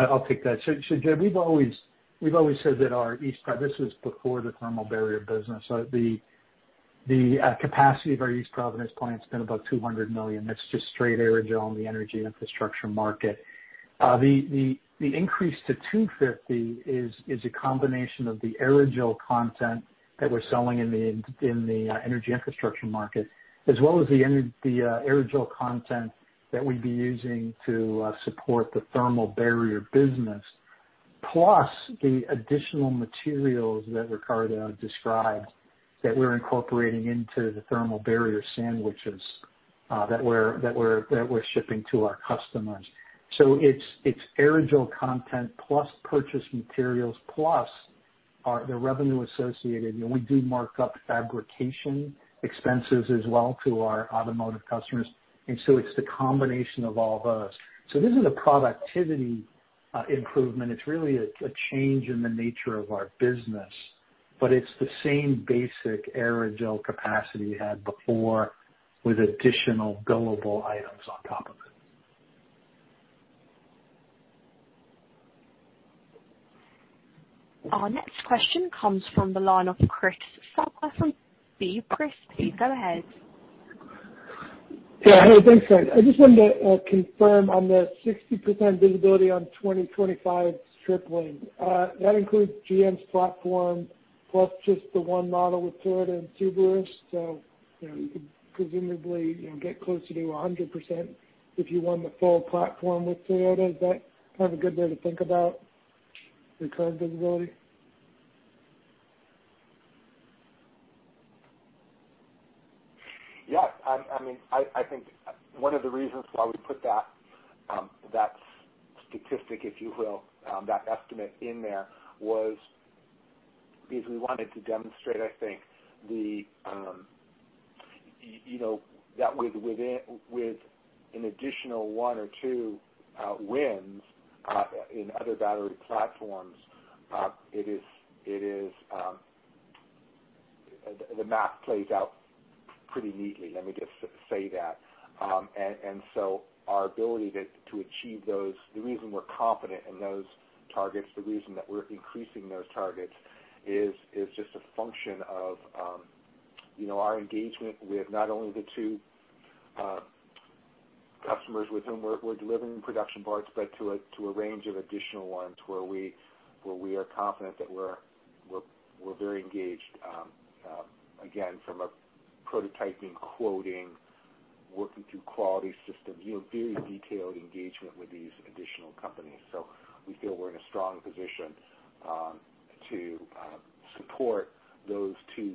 I'll take that. Jed, we've always said that our East Providence plant, this was before the thermal barrier business. The capacity of our East Providence plant has been about $200 million. That's just straight aerogel on the energy infrastructure market. The increase to $250 million is a combination of the aerogel content that we're selling in the energy infrastructure market, as well as the aerogel content that we'd be using to support the thermal barrier business, plus the additional materials that Ricardo described that we're incorporating into the thermal barrier sandwiches that we're shipping to our customers. It's aerogel content plus purchase materials, plus the revenue associated. You know, we do mark up fabrication expenses as well to our automotive customers. It's the combination of all those. This is a productivity improvement. It's really a change in the nature of our business. It's the same basic aerogel capacity we had before with additional billable items on top of it. Our next question comes from the line of Chris Souther from B. Riley. Chris, please go ahead. Yeah. Hey, thanks. I just wanted to confirm on the 60% visibility on 2025 tripling. That includes GM's platform plus just the one model with Toyota and Subaru. You know, you could presumably, you know, get closer to a 100% if you won the full platform with Toyota. Is that kind of a good way to think about recurring visibility? Yeah, I mean, I think one of the reasons why we put that statistic, if you will, that estimate in there was because we wanted to demonstrate. I think you know that with an additional one or two wins in other battery platforms. The math plays out pretty neatly, let me just say that. The reason we're confident in those targets, the reason that we're increasing those targets is just a function of, you know, our engagement with not only the two customers with whom we're delivering production parts, but to a range of additional ones where we are confident that we're very engaged, again, from a prototyping, quoting, working through quality systems, you know, very detailed engagement with these additional companies. We feel we're in a strong position to support those 2x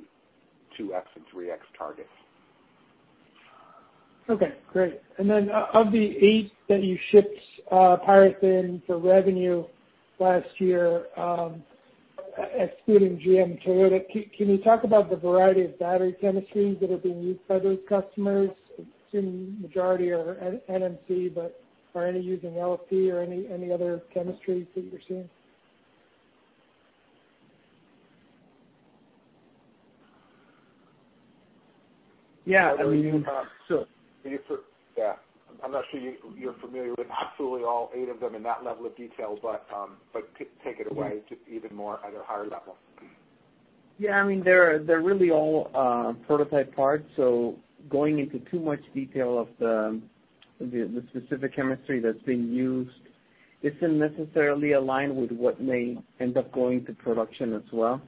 and 3x targets. Okay, great. Of the eight that you shipped, PyroThin for revenue last year, excluding GM and Toyota, can you talk about the variety of battery chemistries that are being used by those customers? I assume majority are NMC, but are any using LFP or any other chemistries that you're seeing? Yeah, I mean. Yeah. I'm not sure you're familiar with absolutely all eight of them in that level of detail, but take it away just even more at a higher level. Yeah. I mean, they're really all prototype parts, so going into too much detail of the specific chemistry that's being used isn't necessarily aligned with what may end up going to production as well.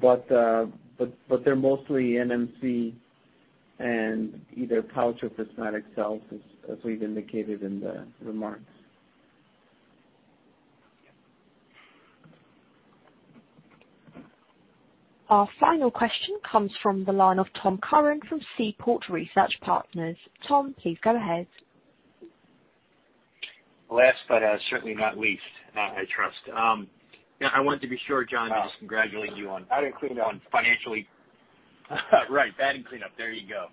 They're mostly NMC and either pouch or prismatic cells, as we've indicated in the remarks. Our final question comes from the line of Tom Curran from Seaport Research Partners. Tom, please go ahead. Last but certainly not least, I trust. Yeah, I wanted to be sure, John, to just congratulate you on- Batting cleanup. One, financially right. Batting cleanup. There you go.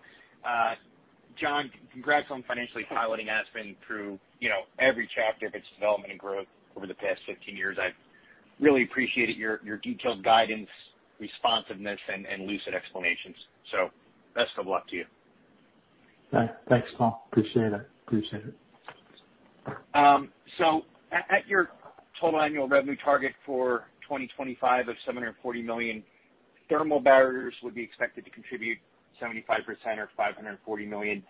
John, congrats on financially piloting Aspen through, you know, every chapter of its development and growth over the past 15 years. I've really appreciated your detailed guidance, responsiveness, and lucid explanations. Best of luck to you. Thanks, Tom. Appreciate it. At your total annual revenue target for 2025 of $740 million, thermal barriers would be expected to contribute 75% or $540 million,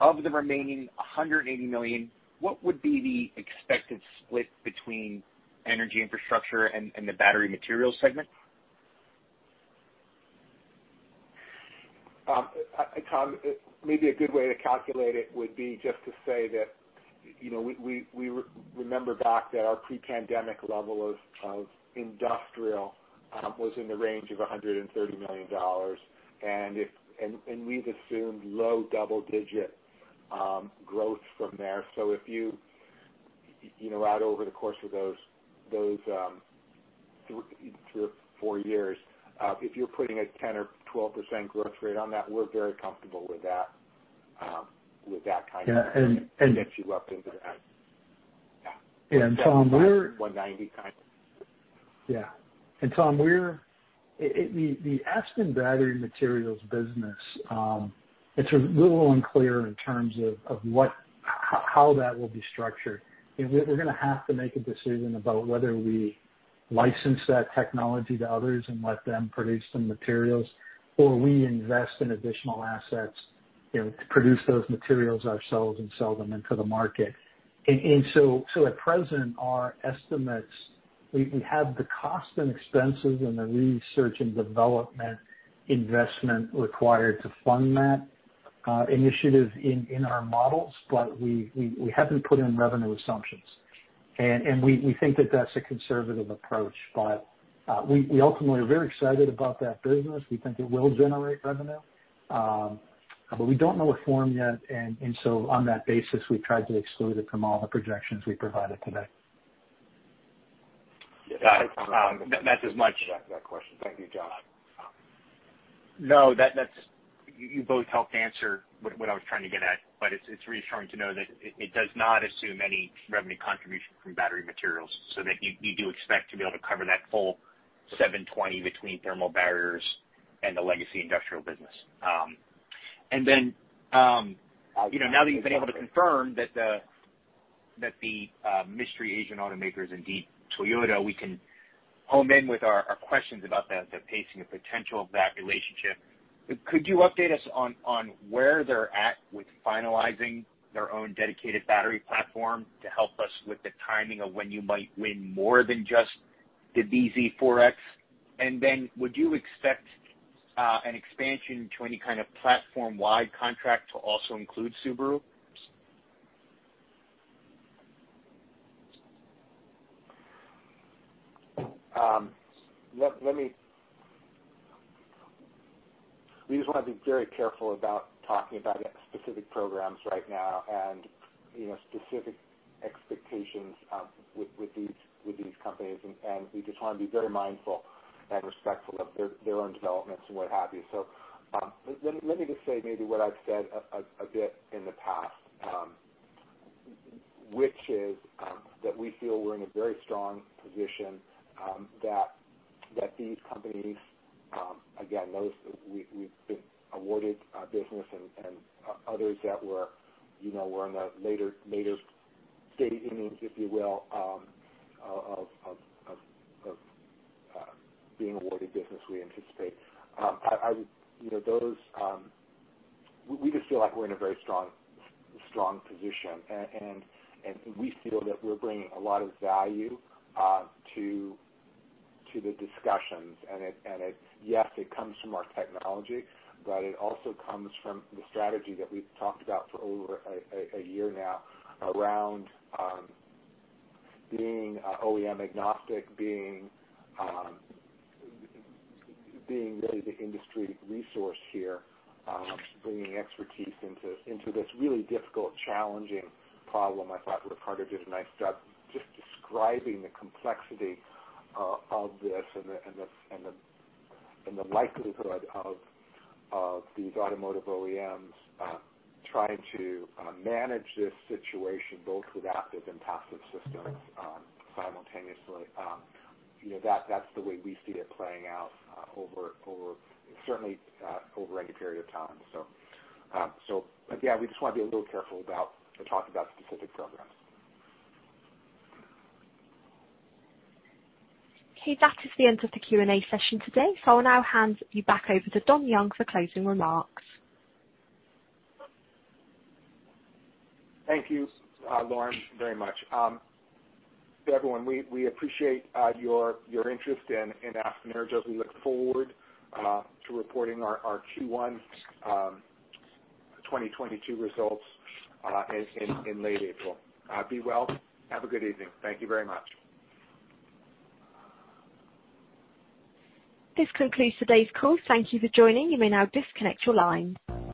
Of the remaining $180 million, what would be the expected split between energy infrastructure and the battery materials segment? Tom, maybe a good way to calculate it would be just to say that, you know, we remember back that our pre-pandemic level of industrial was in the range of $130 million. If we've assumed low double-digit growth from there. If you know, out over the course of those three or four years, if you're putting a 10% or 12% growth rate on that, we're very comfortable with that, with that kind of- Yeah, and- Get you up into that. Yeah. Tom, we're- 190 kind of. Tom, the Aspen Battery Materials business, it's a little unclear in terms of what how that will be structured. We're gonna have to make a decision about whether we license that technology to others and let them produce the materials or we invest in additional assets, you know, to produce those materials ourselves and sell them into the market. At present, our estimates, we have the cost and expenses and the R&D investment required to fund that initiative in our models, but we haven't put in revenue assumptions. We think that that's a conservative approach. We ultimately are very excited about that business. We think it will generate revenue. We don't know what form yet. On that basis, we've tried to exclude it from all the projections we provided today. Got it. That's as much- That question. Thank you, John. No, that's. You both helped answer what I was trying to get at, but it's reassuring to know that it does not assume any revenue contribution from battery materials, so that you do expect to be able to cover that full $720 between thermal barriers and the legacy industrial business. You know, now that you've been able to confirm that the mystery Asian automaker is indeed Toyota, we can home in with our questions about the pacing and potential of that relationship. Could you update us on where they're at with finalizing their own dedicated battery platform to help us with the timing of when you might win more than just the bZ4X? Would you expect an expansion to any kind of platform-wide contract to also include Subaru? We just wanna be very careful about talking about specific programs right now and, you know, specific expectations with these companies. We just wanna be very mindful and respectful of their own developments and what have you. Let me just say maybe what I've said a bit in the past, which is that we feel we're in a very strong position, that these companies, again, those we've been awarded business and others that we're in the later innings, if you will, of being awarded business, we anticipate. You know, those. We just feel like we're in a very strong position. We feel that we're bringing a lot of value to the discussions. Yes, it comes from our technology, but it also comes from the strategy that we've talked about for over a year now around being OEM-agnostic, being really the industry resource here, bringing expertise into this really difficult, challenging problem. I thought Ricardo did a nice job just describing the complexity of this and the likelihood of these automotive OEMs trying to manage this situation both with active and passive systems simultaneously. You know, that's the way we see it playing out certainly over any period of time. Again, we just wanna be a little careful about talking about specific programs. Okay. That is the end of the Q&A session today. I'll now hand you back over to Don Young for closing remarks. Thank you, Lauren, very much. Everyone, we appreciate your interest in Aspen Aerogels as we look forward to reporting our Q1 2022 results in late April. Be well. Have a good evening. Thank you very much. This concludes today's call. Thank you for joining. You may now disconnect your line.